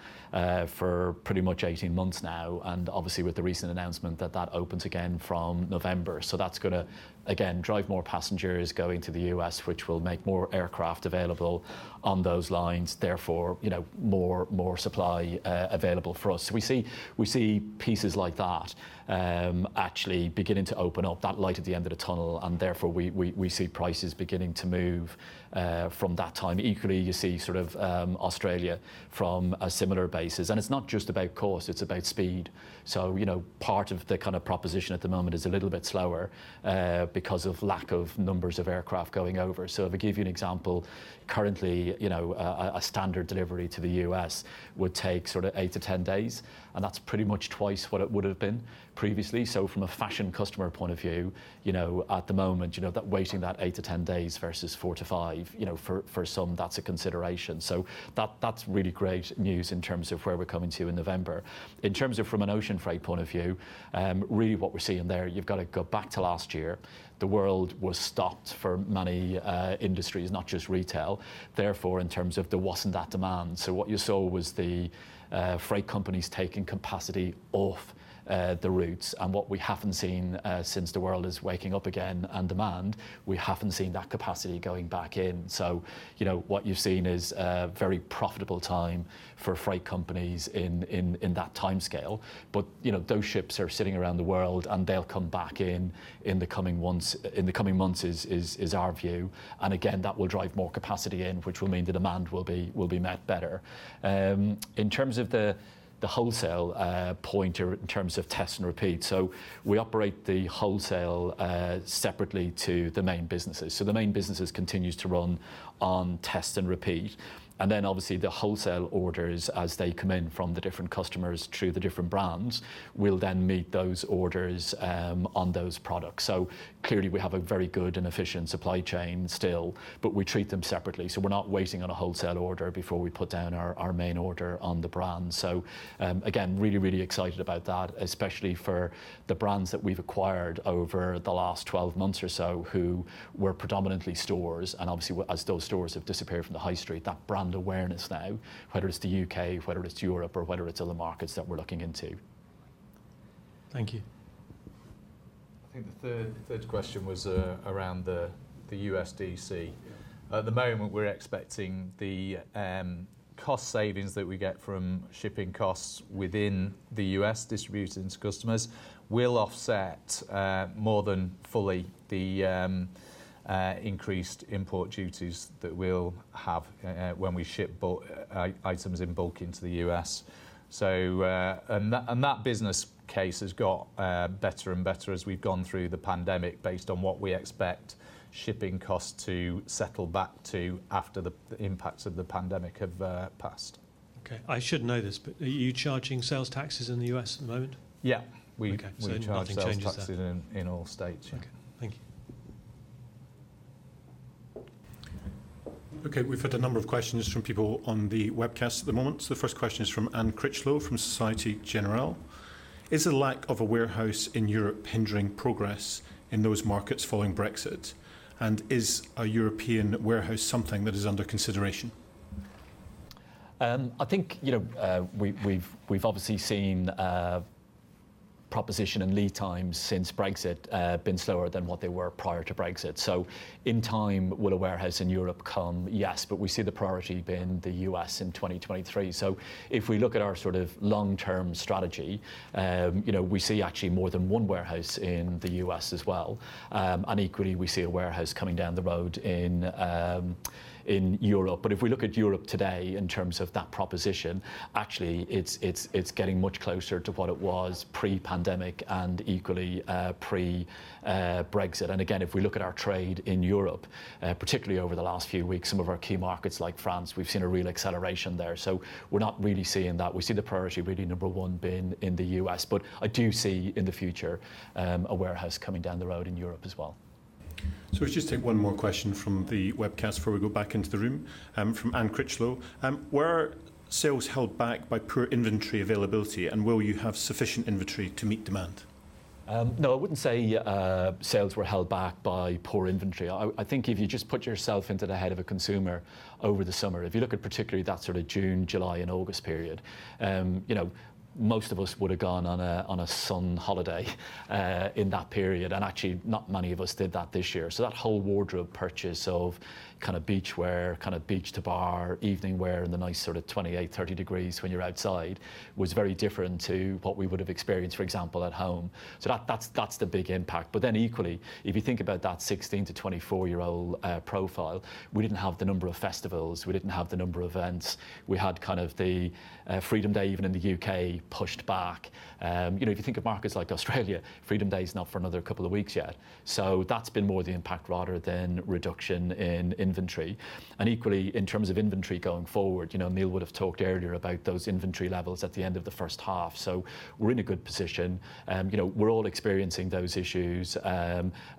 for pretty much 18 months now, and obviously, with the recent announcement that that opens again from November. That's going to, again, drive more passengers going to the U.S., which will make more aircraft available on those lines, therefore, more supply available for us. We see pieces like that actually beginning to open up, that light at the end of the tunnel, and therefore, we see prices beginning to move from that time. Equally, you see Australia from a similar basis. It's not just about cost, it's about speed. Part of the proposition at the moment is a little bit slower because of lack of numbers of aircraft going over. If I give you an example, currently, a standard delivery to the U.S. would take 8 to 10 days, and that's pretty much twice what it would've been previously. From a fashion customer point of view, at the moment, waiting that eight-10 days versus four-5, for some, that's a consideration. That's really great news in terms of where we're coming to in November. In terms of from an ocean freight point of view, really what we're seeing there, you've got to go back to last year. The world was stopped for many industries, not just retail. In terms of there wasn't that demand. What you saw was the freight companies taking capacity off the routes. What we haven't seen since the world is waking up again, and demand, we haven't seen that capacity going back in. What you've seen is a very profitable time for freight companies in that timescale. Those ships are sitting around the world, and they'll come back in the coming months, is our view. Again, that will drive more capacity in, which will mean the demand will be met better. In terms of the wholesale point or in terms of test and repeat. We operate the wholesale separately to the main businesses. The main businesses continues to run on test and repeat. Obviously the wholesale orders, as they come in from the different customers through the different brands, will then meet those orders on those products. Clearly, we have a very good and efficient supply chain still, but we treat them separately. We're not waiting on a wholesale order before we put down our main order on the brand. Again, really, really excited about that, especially for the brands that we've acquired over the last 12 months or so, who were predominantly stores. Obviously, as those stores have disappeared from the high street, that brand awareness now, whether it's the U.K., whether it's Europe, or whether it's other markets that we're looking into. Thank you. I think the third question was around the USDC. Yeah. At the moment, we're expecting the cost savings that we get from shipping costs within the U.S., distributed into customers, will offset more than fully the increased import duties that we'll have when we ship items in bulk into the U.S. That business case has got better and better as we've gone through the pandemic based on what we expect shipping costs to settle back to after the impacts of the pandemic have passed. Okay. I should know this, but are you charging sales taxes in the U.S. at the moment? Yeah. Okay. Nothing changes there. We're charging sales taxes in all states, yeah. Okay. Thank you. Okay, we've had a number of questions from people on the webcast at the moment. The first question is from Anne Critchlow from Societe Generale. Is the lack of a warehouse in Europe hindering progress in those markets following Brexit? Is a European warehouse something that is under consideration? I think we've obviously seen proposition and lead times since Brexit been slower than what they were prior to Brexit. In time, will a warehouse in Europe come? Yes, we see the priority being the U.S. in 2023. If we look at our long-term strategy, we see actually more than one warehouse in the U.S. as well. Equally, we see a warehouse coming down the road in Europe. If we look at Europe today in terms of that proposition, actually, it's getting much closer to what it was pre-pandemic and equally, pre-Brexit. Again, if we look at our trade in Europe, particularly over the last few weeks, some of our key markets like France, we've seen a real acceleration there. We're not really seeing that. We see the priority really number one being in the U.S., but I do see in the future, a warehouse coming down the road in Europe as well. We'll just take one more question from the webcast before we go back into the room. From Anne Critchlow. Were sales held back by poor inventory availability, and will you have sufficient inventory to meet demand? No, I wouldn't say sales were held back by poor inventory. I think if you just put yourself into the head of a consumer over the summer, if you look at particularly that sort of June, July, and August period, most of us would've gone on a sun holiday in that period, and actually not many of us did that this year. That whole wardrobe purchase of beach wear, beach to bar, evening wear in the nice sort of 28, 30 degrees when you're outside, was very different to what we would've experienced, for example, at home. Equally, if you think about that 16 to 24-year-old profile, we didn't have the number of festivals, we didn't have the number of events. We had kind of the Freedom Day, even in the U.K., pushed back. If you think of markets like Australia, Freedom Day is not for another couple of weeks yet, so that's been more the impact rather than reduction in inventory. Equally, in terms of inventory going forward, Neil would've talked earlier about those inventory levels at the end of the first half. We're in a good position, and we're all experiencing those issues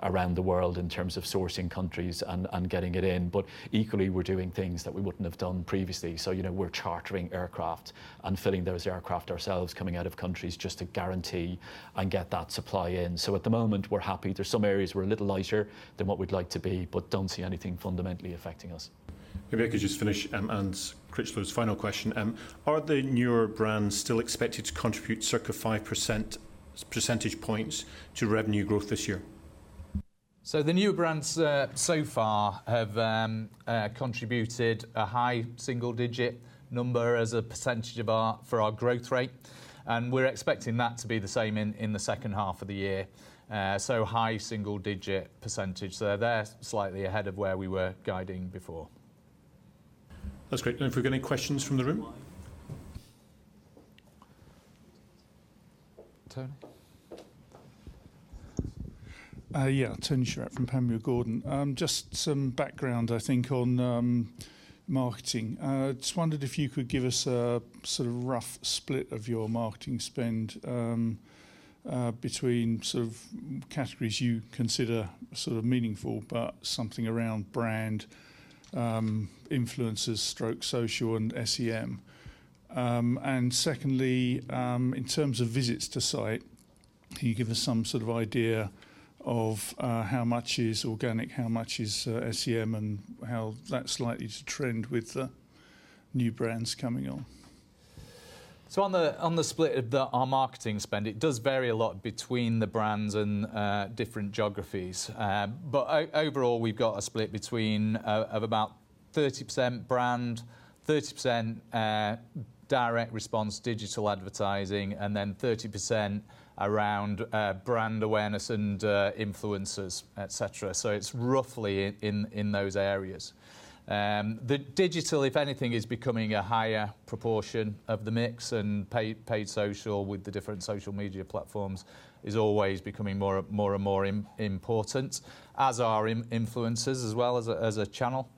around the world in terms of sourcing countries and getting it in. Equally, we're doing things that we wouldn't have done previously. We're chartering aircraft and filling those aircraft ourselves, coming out of countries just to guarantee and get that supply in. At the moment, we're happy. There's some areas we're a little lighter than what we'd like to be, but don't see anything fundamentally affecting us. Maybe I could just finish Anne Critchlow's final question. Are the newer brands still expected to contribute circa 5% percentage points to revenue growth this year? The new brands so far have contributed a high single-digit number as a percentage for our growth rate. We're expecting that to be the same in the second half of the year. High single-digit percentage. They're slightly ahead of where we were guiding before. That's great. Now if we get any questions from the room. Tony? Yeah. Tony Shiret from Panmure Gordon. Just some background, I think, on marketing. Just wondered if you could give us a sort of rough split of your marketing spend, between sort of categories you consider sort of meaningful, but something around brand, influencers/social and SEM. Secondly, in terms of visits to site, can you give us some sort of idea of how much is organic, how much is SEM, and how that's likely to trend with the new brands coming on? On the split of our marketing spend, it does vary a lot between the brands and different geographies. Overall, we've got a split between of about 30% brand, 30% direct response digital advertising, and 30% around brand awareness and influencers, et cetera. It's roughly in those areas. The digital, if anything, is becoming a higher proportion of the mix and paid social with the different social media platforms is always becoming more and more important, as are influencers as well as a channel.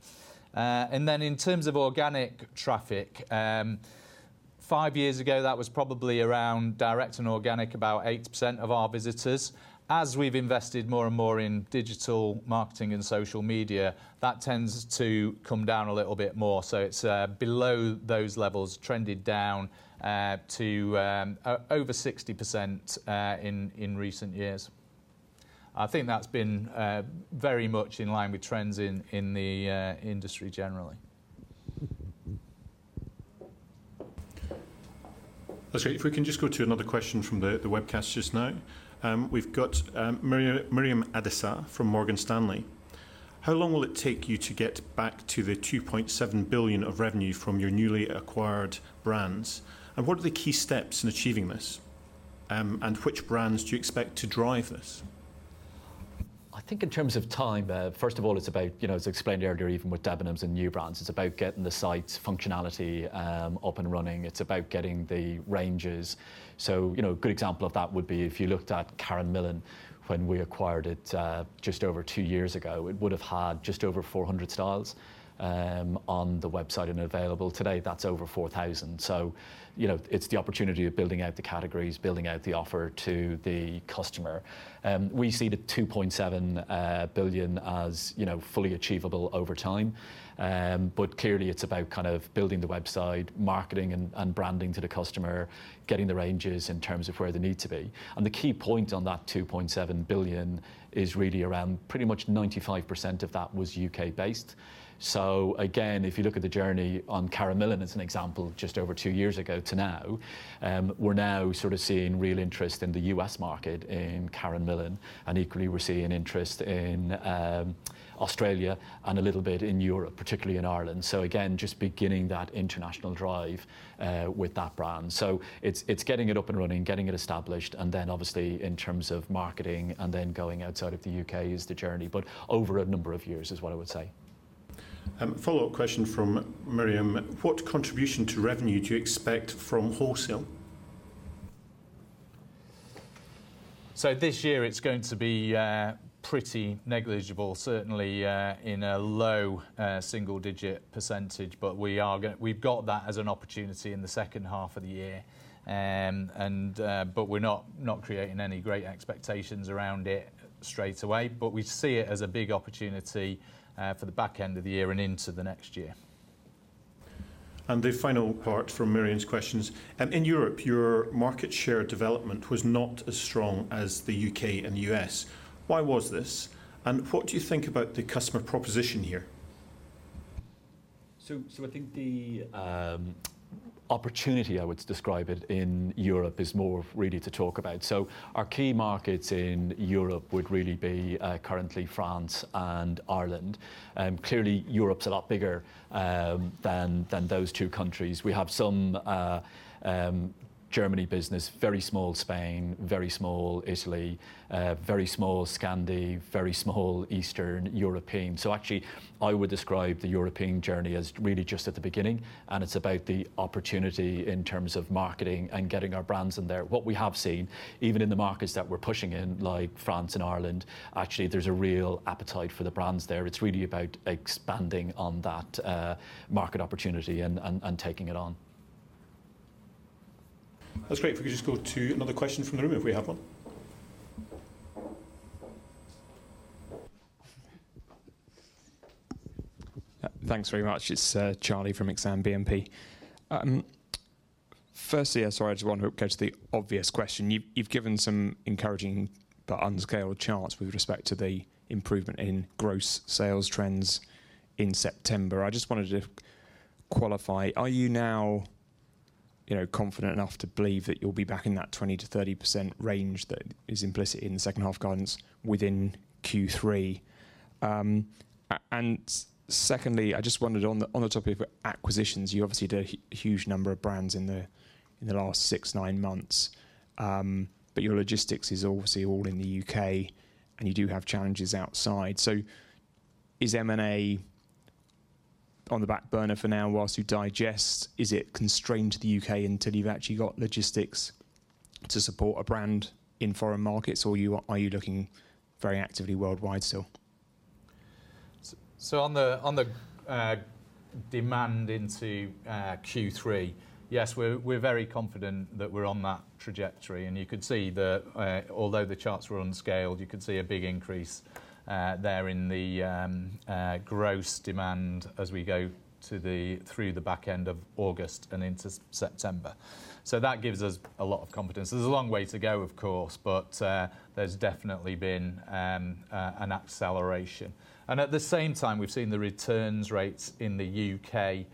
In terms of organic traffic, five years ago, that was probably around direct and organic, about 80% of our visitors. As we've invested more and more in digital marketing and social media, that tends to come down a little bit more. It's below those levels, trended down to over 60% in recent years. I think that's been very much in line with trends in the industry generally. That's great. If we can just go to another question from the webcast just now. We've got Miriam Adisa from Morgan Stanley. How long will it take you to get back to the 2.7 billion of revenue from your newly acquired brands? What are the key steps in achieving this? Which brands do you expect to drive this? I think in terms of time, first of all, it's about, as explained earlier, even with Debenhams and new brands, it's about getting the site's functionality up and running. It's about getting the ranges. A good example of that would be if you looked at Karen Millen when we acquired it just over two years ago, it would have had just over 400 styles on the website and available. Today, that's over 4,000. It's the opportunity of building out the categories, building out the offer to the customer. We see the 2.7 billion as fully achievable over time. Clearly it's about kind of building the website, marketing and branding to the customer, getting the ranges in terms of where they need to be. The key point on that 2.7 billion is really around pretty much 95% of that was U.K.-based. Again, if you look at the journey on Karen Millen as an example, just over two years ago to now, we're now sort of seeing real interest in the U.S. market in Karen Millen, and equally, we're seeing interest in Australia and a little bit in Europe, particularly in Ireland. Again, just beginning that international drive with that brand. It's getting it up and running, getting it established, and then obviously in terms of marketing and then going outside of the U.K. is the journey, but over a number of years is what I would say. Follow-up question from Miriam. What contribution to revenue do you expect from wholesale? This year it's going to be pretty negligible, certainly, in a low single-digit percentage, but we've got that as an opportunity in the second half of the year. We're not creating any great expectations around it straight away. We see it as a big opportunity for the back end of the year and into the next year. The final part from Miriam's questions. In Europe, your market share development was not as strong as the U.K. and U.S. Why was this? What do you think about the customer proposition here? I think the opportunity, I would describe it, in Europe is more really to talk about. Our key markets in Europe would really be currently France and Ireland. Clearly, Europe's a lot bigger than those two countries. We have some Germany business, very small Spain, very small Italy, very small Scandi, very small Eastern European. Actually, I would describe the European journey as really just at the beginning, and it's about the opportunity in terms of marketing and getting our brands in there. What we have seen, even in the markets that we're pushing in, like France and Ireland, actually, there's a real appetite for the brands there. It's really about expanding on that market opportunity and taking it on. That's great. If we could just go to another question from the room, if we have one. Thanks very much. It's Charlie from Exane BNP. Firstly, I just want to go to the obvious question. You've given some encouraging, but unscaled charts with respect to the improvement in gross sales trends in September. I just wanted to qualify, are you now confident enough to believe that you'll be back in that 20%-30% range that is implicit in the second half guidance within Q3? Secondly, I just wondered on the topic of acquisitions, you obviously did a huge number of brands in the last six, nine months. Your logistics is obviously all in the U.K., and you do have challenges outside. Is M&A on the back burner for now whilst you digest? Is it constrained to the U.K. until you've actually got logistics to support a brand in foreign markets, or are you looking very actively worldwide still? On the demand into Q3, yes, we're very confident that we're on that trajectory. Although the charts were unscaled, you could see a big increase there in the gross demand as we go through the back end of August and into September. That gives us a lot of confidence. There's a long way to go, of course, but there's definitely been an acceleration. At the same time, we've seen the returns rates in the U.K.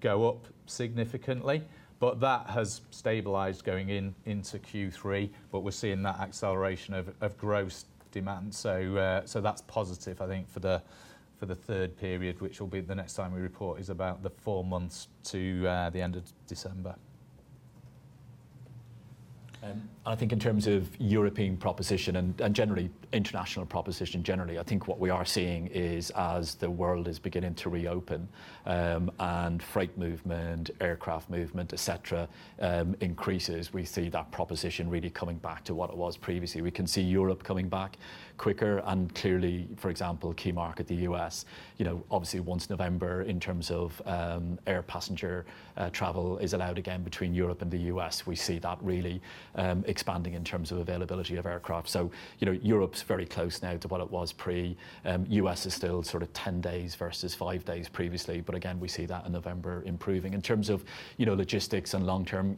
go up significantly. That has stabilized going into Q3, but we're seeing that acceleration of gross demand. That's positive, I think, for the third period, which will be the next time we report is about the four months to the end of December. I think in terms of European proposition and generally international proposition, generally, I think what we are seeing is as the world is beginning to reopen, and freight movement, aircraft movement, et cetera, increases, we see that proposition really coming back to what it was previously. We can see Europe coming back quicker. Clearly, for example, key market, the U.S. Obviously once November in terms of air passenger travel is allowed again between Europe and the U.S., we see that really expanding in terms of availability of aircraft. Europe's very close now to what it was pre. U.S. is still sort of 10 days versus five days previously. Again, we see that in November improving. In terms of logistics and long-term,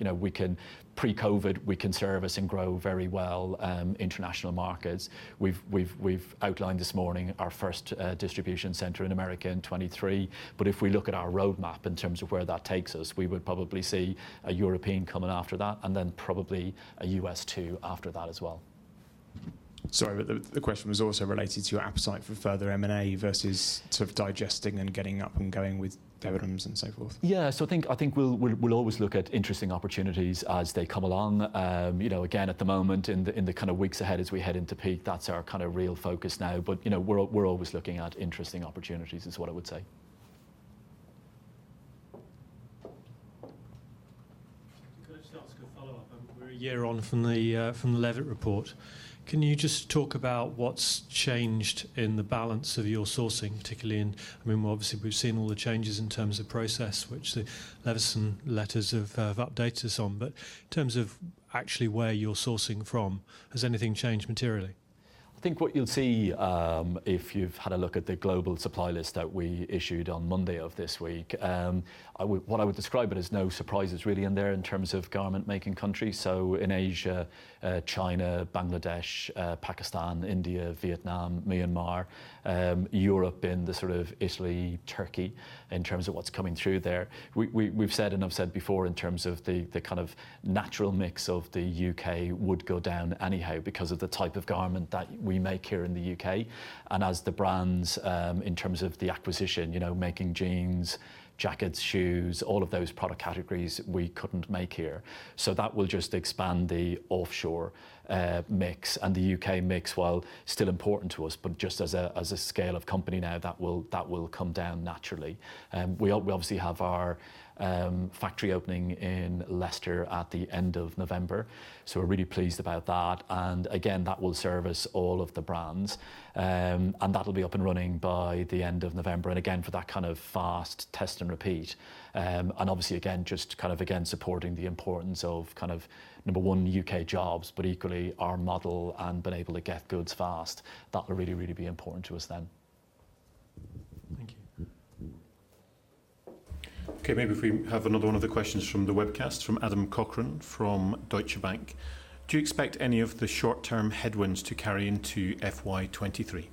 pre-COVID, we can service and grow very well international markets. We've outlined this morning our first distribution center in America in 2023. If we look at our roadmap in terms of where that takes us, we would probably see a European coming after that, and then probably a U.S. too after that as well. Sorry, the question was also related to your appetite for further M&A versus sort of digesting and getting up and going with Debenhams and so forth. Yeah. I think we'll always look at interesting opportunities as they come along. Again, at the moment in the kind of weeks ahead as we head into peak, that's our kind of real focus now. We're always looking at interesting opportunities, is what I would say. Can I just ask a follow-up? We're a year on from the Levitt report. Can you just talk about what's changed in the balance of your sourcing, particularly? I mean, obviously we've seen all the changes in terms of process, which the Leveson's reports have updated us on. In terms of actually where you're sourcing from, has anything changed materially? I think what you'll see, if you've had a look at the global supply list that we issued on Monday of this week, what I would describe it is no surprises really in there in terms of garment-making countries. In Asia, China, Bangladesh, Pakistan, India, Vietnam, Myanmar. Europe in the sort of Italy, Turkey, in terms of what's coming through there. We've said, and I've said before, in terms of the kind of natural mix of the U.K. would go down anyhow because of the type of garment that we make here in the U.K. As the brands, in terms of the acquisition, making jeans, jackets, shoes, all of those product categories we couldn't make here. That will just expand the offshore mix. The U.K. mix, while still important to us, but just as a scale of company now, that will come down naturally. We obviously have our factory opening in Leicester at the end of November, so we're really pleased about that. Again, that will service all of the brands. That'll be up and running by the end of November. Again, for that kind of fast test and repeat. Obviously again, just kind of again supporting the importance of kind of number one, U.K. jobs, but equally our model and being able to get goods fast. That will really be important to us then. Thank you. Okay, maybe if we have another one of the questions from the webcast, from Adam Cochrane from Deutsche Bank. Do you expect any of the short-term headwinds to carry into FY 2023?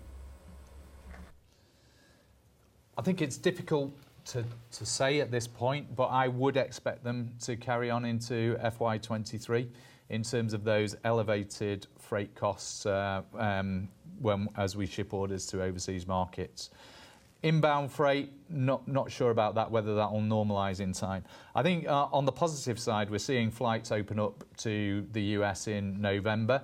I think it's difficult to say at this point, I would expect them to carry on into FY 2023 in terms of those elevated freight costs as we ship orders to overseas markets. Inbound freight, not sure about that, whether that will normalize in time. I think on the positive side, we're seeing flights open up to the U.S. in November,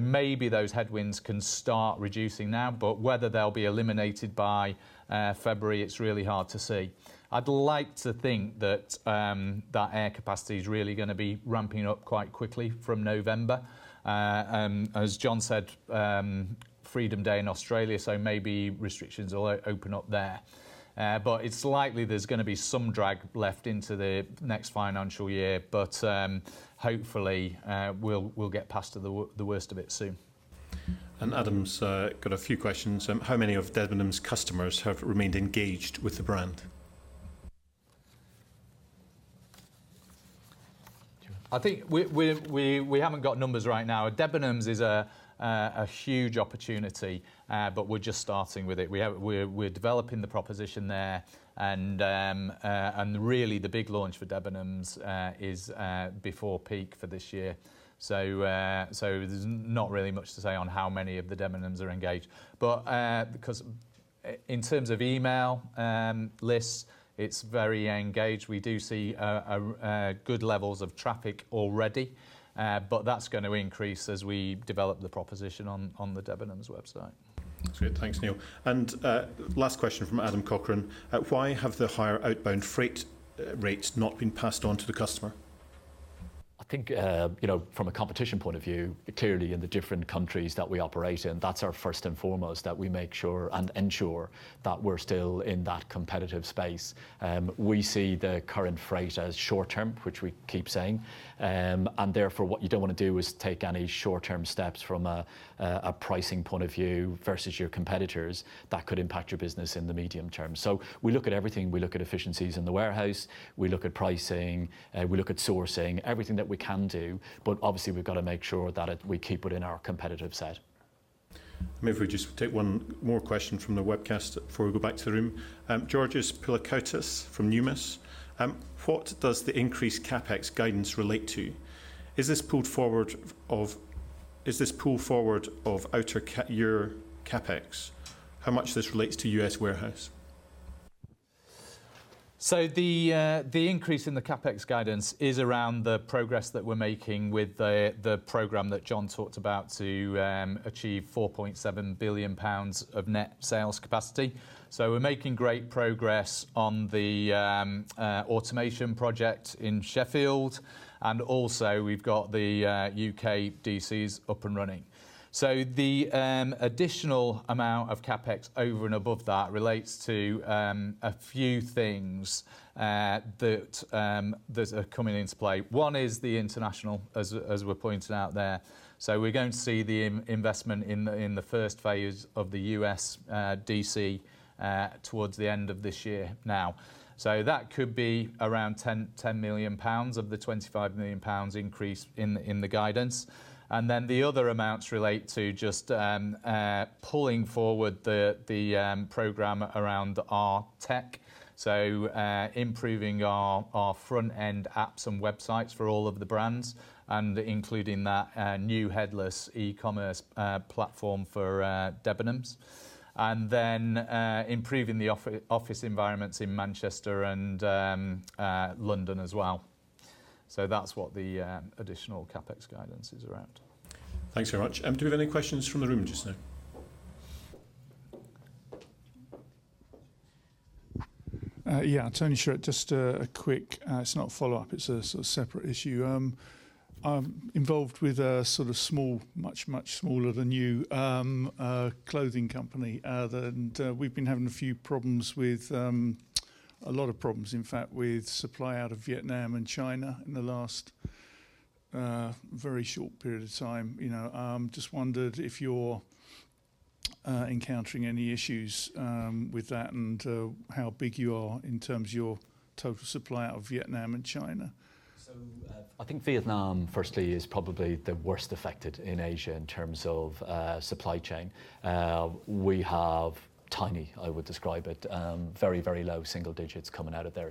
maybe those headwinds can start reducing now. Whether they'll be eliminated by February, it's really hard to say. I'd like to think that that air capacity is really going to be ramping up quite quickly from November. As John said, Freedom Day in Australia, maybe restrictions will open up there. It's likely there's going to be some drag left into the next financial year. Hopefully, we'll get past the worst of it soon. Adam's got a few questions. How many of Debenhams customers have remained engaged with the brand? I think we haven't got numbers right now. Debenhams is a huge opportunity, but we're just starting with it. We're developing the proposition there and really the big launch for Debenhams is before peak for this year. There's not really much to say on how many of the Debenhams are engaged. Because in terms of email lists, it's very engaged. We do see good levels of traffic already, but that's going to increase as we develop the proposition on the Debenhams website. That's great. Thanks, Neil. Last question from Adam Cochrane. Why have the higher outbound freight rates not been passed on to the customer? I think from a competition point of view, clearly in the different countries that we operate in, that's our first and foremost, that we make sure and ensure that we're still in that competitive space. We see the current freight as short term, which we keep saying. Therefore, what you don't want to do is take any short-term steps from a pricing point of view versus your competitors that could impact your business in the medium term. We look at everything. We look at efficiencies in the warehouse, we look at pricing, we look at sourcing, everything that we can do, but obviously we've got to make sure that we keep it in our competitive set. Maybe if we just take one more question from the webcast before we go back to the room. Georgios Pilakoutas from Numis. What does the increased CapEx guidance relate to? Is this pull forward of outer year CapEx? How much this relates to U.S. warehouse? The increase in the CapEx guidance is around the progress that we're making with the program that John talked about to achieve 4.7 billion pounds of net sales capacity. We're making great progress on the automation project in Sheffield, and also we've got the U.K. D.C.s up and running. The additional amount of CapEx over and above that relates to a few things that are coming into play. One is the international as were pointed out there. We're going to see the investment in the first phase of the U.S. D.C. towards the end of this year now. That could be around 10 million pounds of the 25 million pounds increase in the guidance. The other amounts relate to just pulling forward the program around our tech. Improving our front-end apps and websites for all of the brands, and including that new headless e-commerce platform for Debenhams. Improving the office environments in Manchester and London as well. That's what the additional CapEx guidance is around. Thanks very much. Do we have any questions from the room just now? Yeah, Tony Shiret. Just a quick, it's not a follow-up, it's a sort of separate issue. I'm involved with a sort of small, much, much smaller than you, clothing company. We've been having a lot of problems, in fact with supply out of Vietnam and China in the last very short period of time. Just wondered if you're encountering any issues with that and how big you are in terms of your total supply out of Vietnam and China. I think Vietnam, firstly, is probably the worst affected in Asia in terms of supply chain. We have tiny, I would describe it, very, very low single digits coming out of there.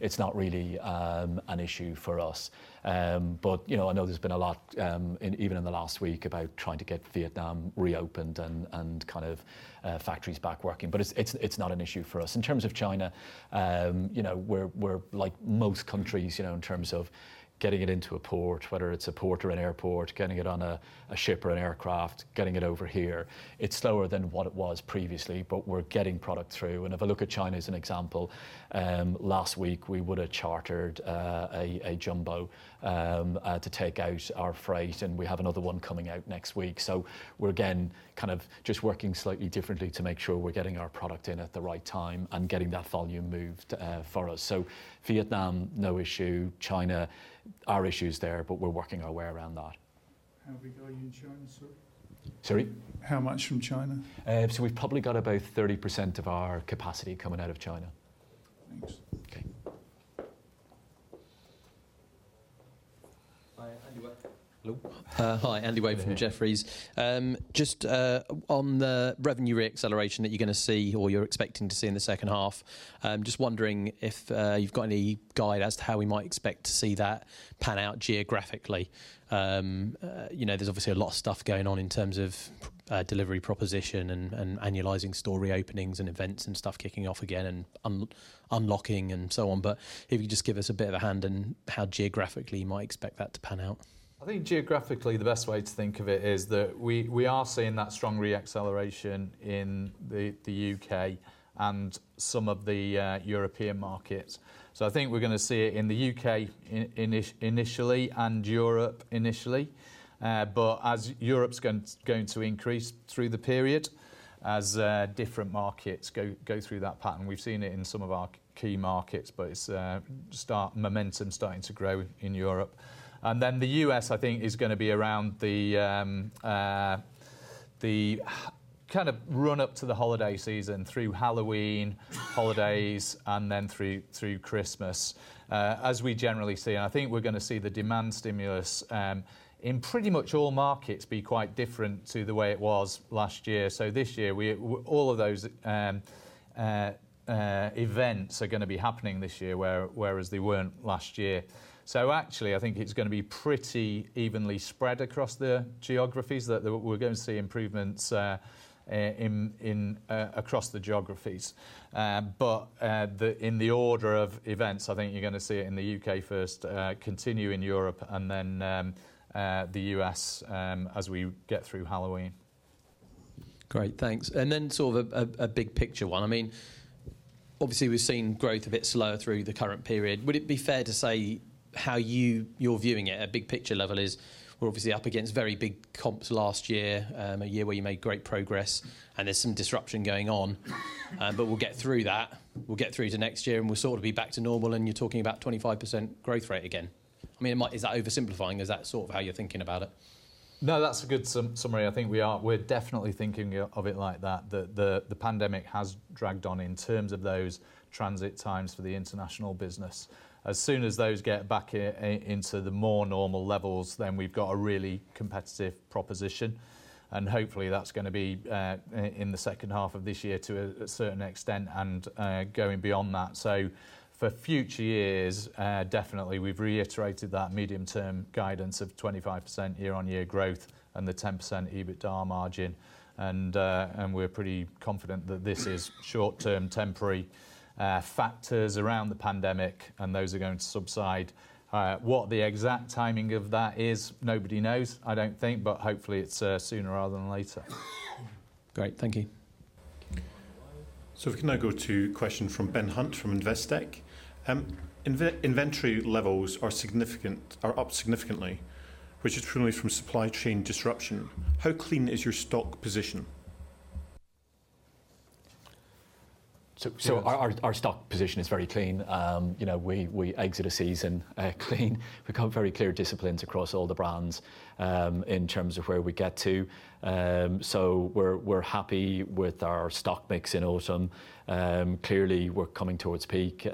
It's not really an issue for us. I know there's been a lot, even in the last week about trying to get Vietnam reopened and kind of factories back working, it's not an issue for us. In terms of China, we're like most countries, in terms of getting it into a port, whether it's a port or an airport, getting it on a ship or an aircraft, getting it over here. It's slower than what it was previously, we're getting product through. If I look at China as an example, last week, we would've chartered a jumbo to take out our freight, and we have another one coming out next week. We're again, kind of just working slightly differently to make sure we're getting our product in at the right time and getting that volume moved for us. Vietnam, no issue. China, are issues there, but we're working our way around that. How big are you in China, sir? Sorry? How much from China? We've probably got about 30% of our capacity coming out of China. Thanks. Okay. Hi, Andy Wade from Jefferies. Just on the revenue re-acceleration that you're going to see or you're expecting to see in the second half, I'm just wondering if you've got any guide as to how we might expect to see that pan out geographically. There's obviously a lot of stuff going on in terms of delivery proposition and annualizing store reopenings and events and stuff kicking off again and unlocking and so on. If you could just give us a bit of a hand in how geographically you might expect that to pan out. I think geographically, the best way to think of it is that we are seeing that strong re-acceleration in the U.K. and some of the European markets. I think we're going to see it in the U.K. initially and Europe initially. As Europe's going to increase through the period, as different markets go through that pattern. We've seen it in some of our key markets, but momentum's starting to grow in Europe. Then the U.S. I think is going to be around the run up to the holiday season through Halloween, holidays, and then through Christmas. As we generally see, and I think we're going to see the demand stimulus in pretty much all markets be quite different to the way it was last year. This year, all of those events are going to be happening this year, whereas they weren't last year. Actually, I think it's going to be pretty evenly spread across the geographies, that we're going to see improvements across the geographies. In the order of events, I think you're going to see it in the U.K. first, continue in Europe, and then the U.S. as we get through Halloween. Great, thanks. Then sort of a big picture one. Obviously, we've seen growth a bit slower through the current period. Would it be fair to say how you're viewing it at big picture level is we're obviously up against very big comps last year, a year where you made great progress, and there's some disruption going on, but we'll get through that. We'll get through to next year, and we'll sort of be back to normal and you're talking about 25% growth rate again. Is that oversimplifying? Is that sort of how you're thinking about it? No, that's a good summary. I think we're definitely thinking of it like that the pandemic has dragged on in terms of those transit times for the international business. As soon as those get back into the more normal levels, then we've got a really competitive proposition, and hopefully that's going to be in the second half of this year to a certain extent and going beyond that. For future years, definitely we've reiterated that medium term guidance of 25% year-on-year growth and the 10% EBITDA margin. We're pretty confident that this is short-term temporary factors around the pandemic, and those are going to subside. What the exact timing of that is, nobody knows, I don't think. Hopefully it's sooner rather than later. Great. Thank you. If we can now go to question from Ben Hunt from Investec. Inventory levels are up significantly, which is primarily from supply chain disruption. How clean is your stock position? Our stock position is very clean. We exit a season clean. We've become very clear disciplines across all the brands in terms of where we get to. We're happy with our stock mix in autumn. Clearly, we're coming towards peak.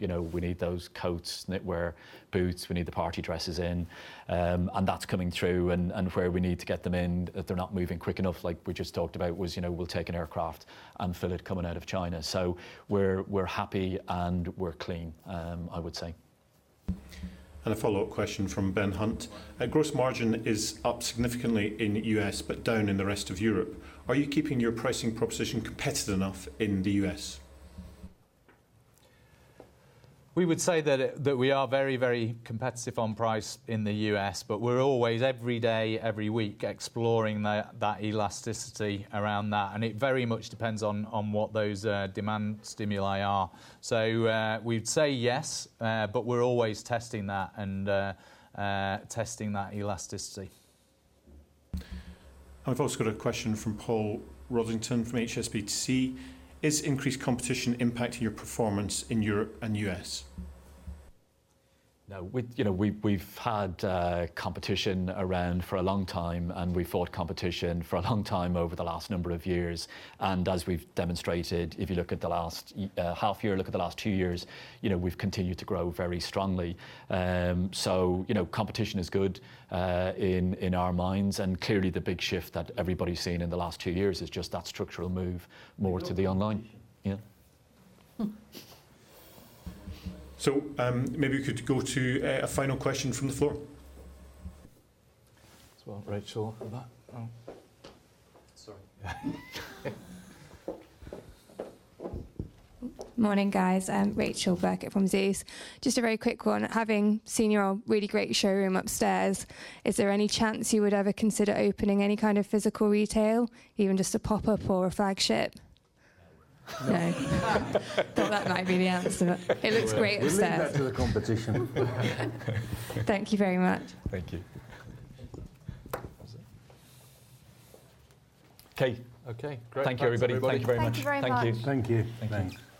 We need those coats, knitwear, boots. We need the party dresses in. That's coming through, and where we need to get them in, if they're not moving quick enough, like we just talked about, was we'll take an aircraft and fill it coming out of China. We're happy and we're clean, I would say. A follow-up question from Ben Hunt. Gross margin is up significantly in U.S. but down in the rest of Europe. Are you keeping your pricing proposition competitive enough in the U.S.? We would say that we are very competitive on price in the U.S., but we're always every day, every week, exploring that elasticity around that, and it very much depends on what those demand stimuli are. We'd say yes, but we're always testing that and testing that elasticity. We've also got a question from Paul Rossington from HSBC. Is increased competition impacting your performance in Europe and U.S.? No. We've had competition around for a long time, and we fought competition for a long time over the last number of years. As we've demonstrated, if you look at the last half year, look at the last two years, we've continued to grow very strongly. Competition is good in our minds, and clearly the big shift that everybody's seen in the last two years is just that structural move more to the online. Yeah. Maybe we could go to a final question from the floor. As well, Rachel at the back. Sorry. Morning, guys. Rachel Birkett from Zeus. Just a very quick one. Having seen your really great showroom upstairs, is there any chance you would ever consider opening any kind of physical retail, even just a pop-up or a flagship? No. No. Well, that might be the answer. It looks great upstairs. We'll leave that to the competition. Thank you very much. Thank you. Okay. Okay. Great. Thanks, everybody. Thank you, everybody. Thank you very much. Thank you. Thank you. Thanks.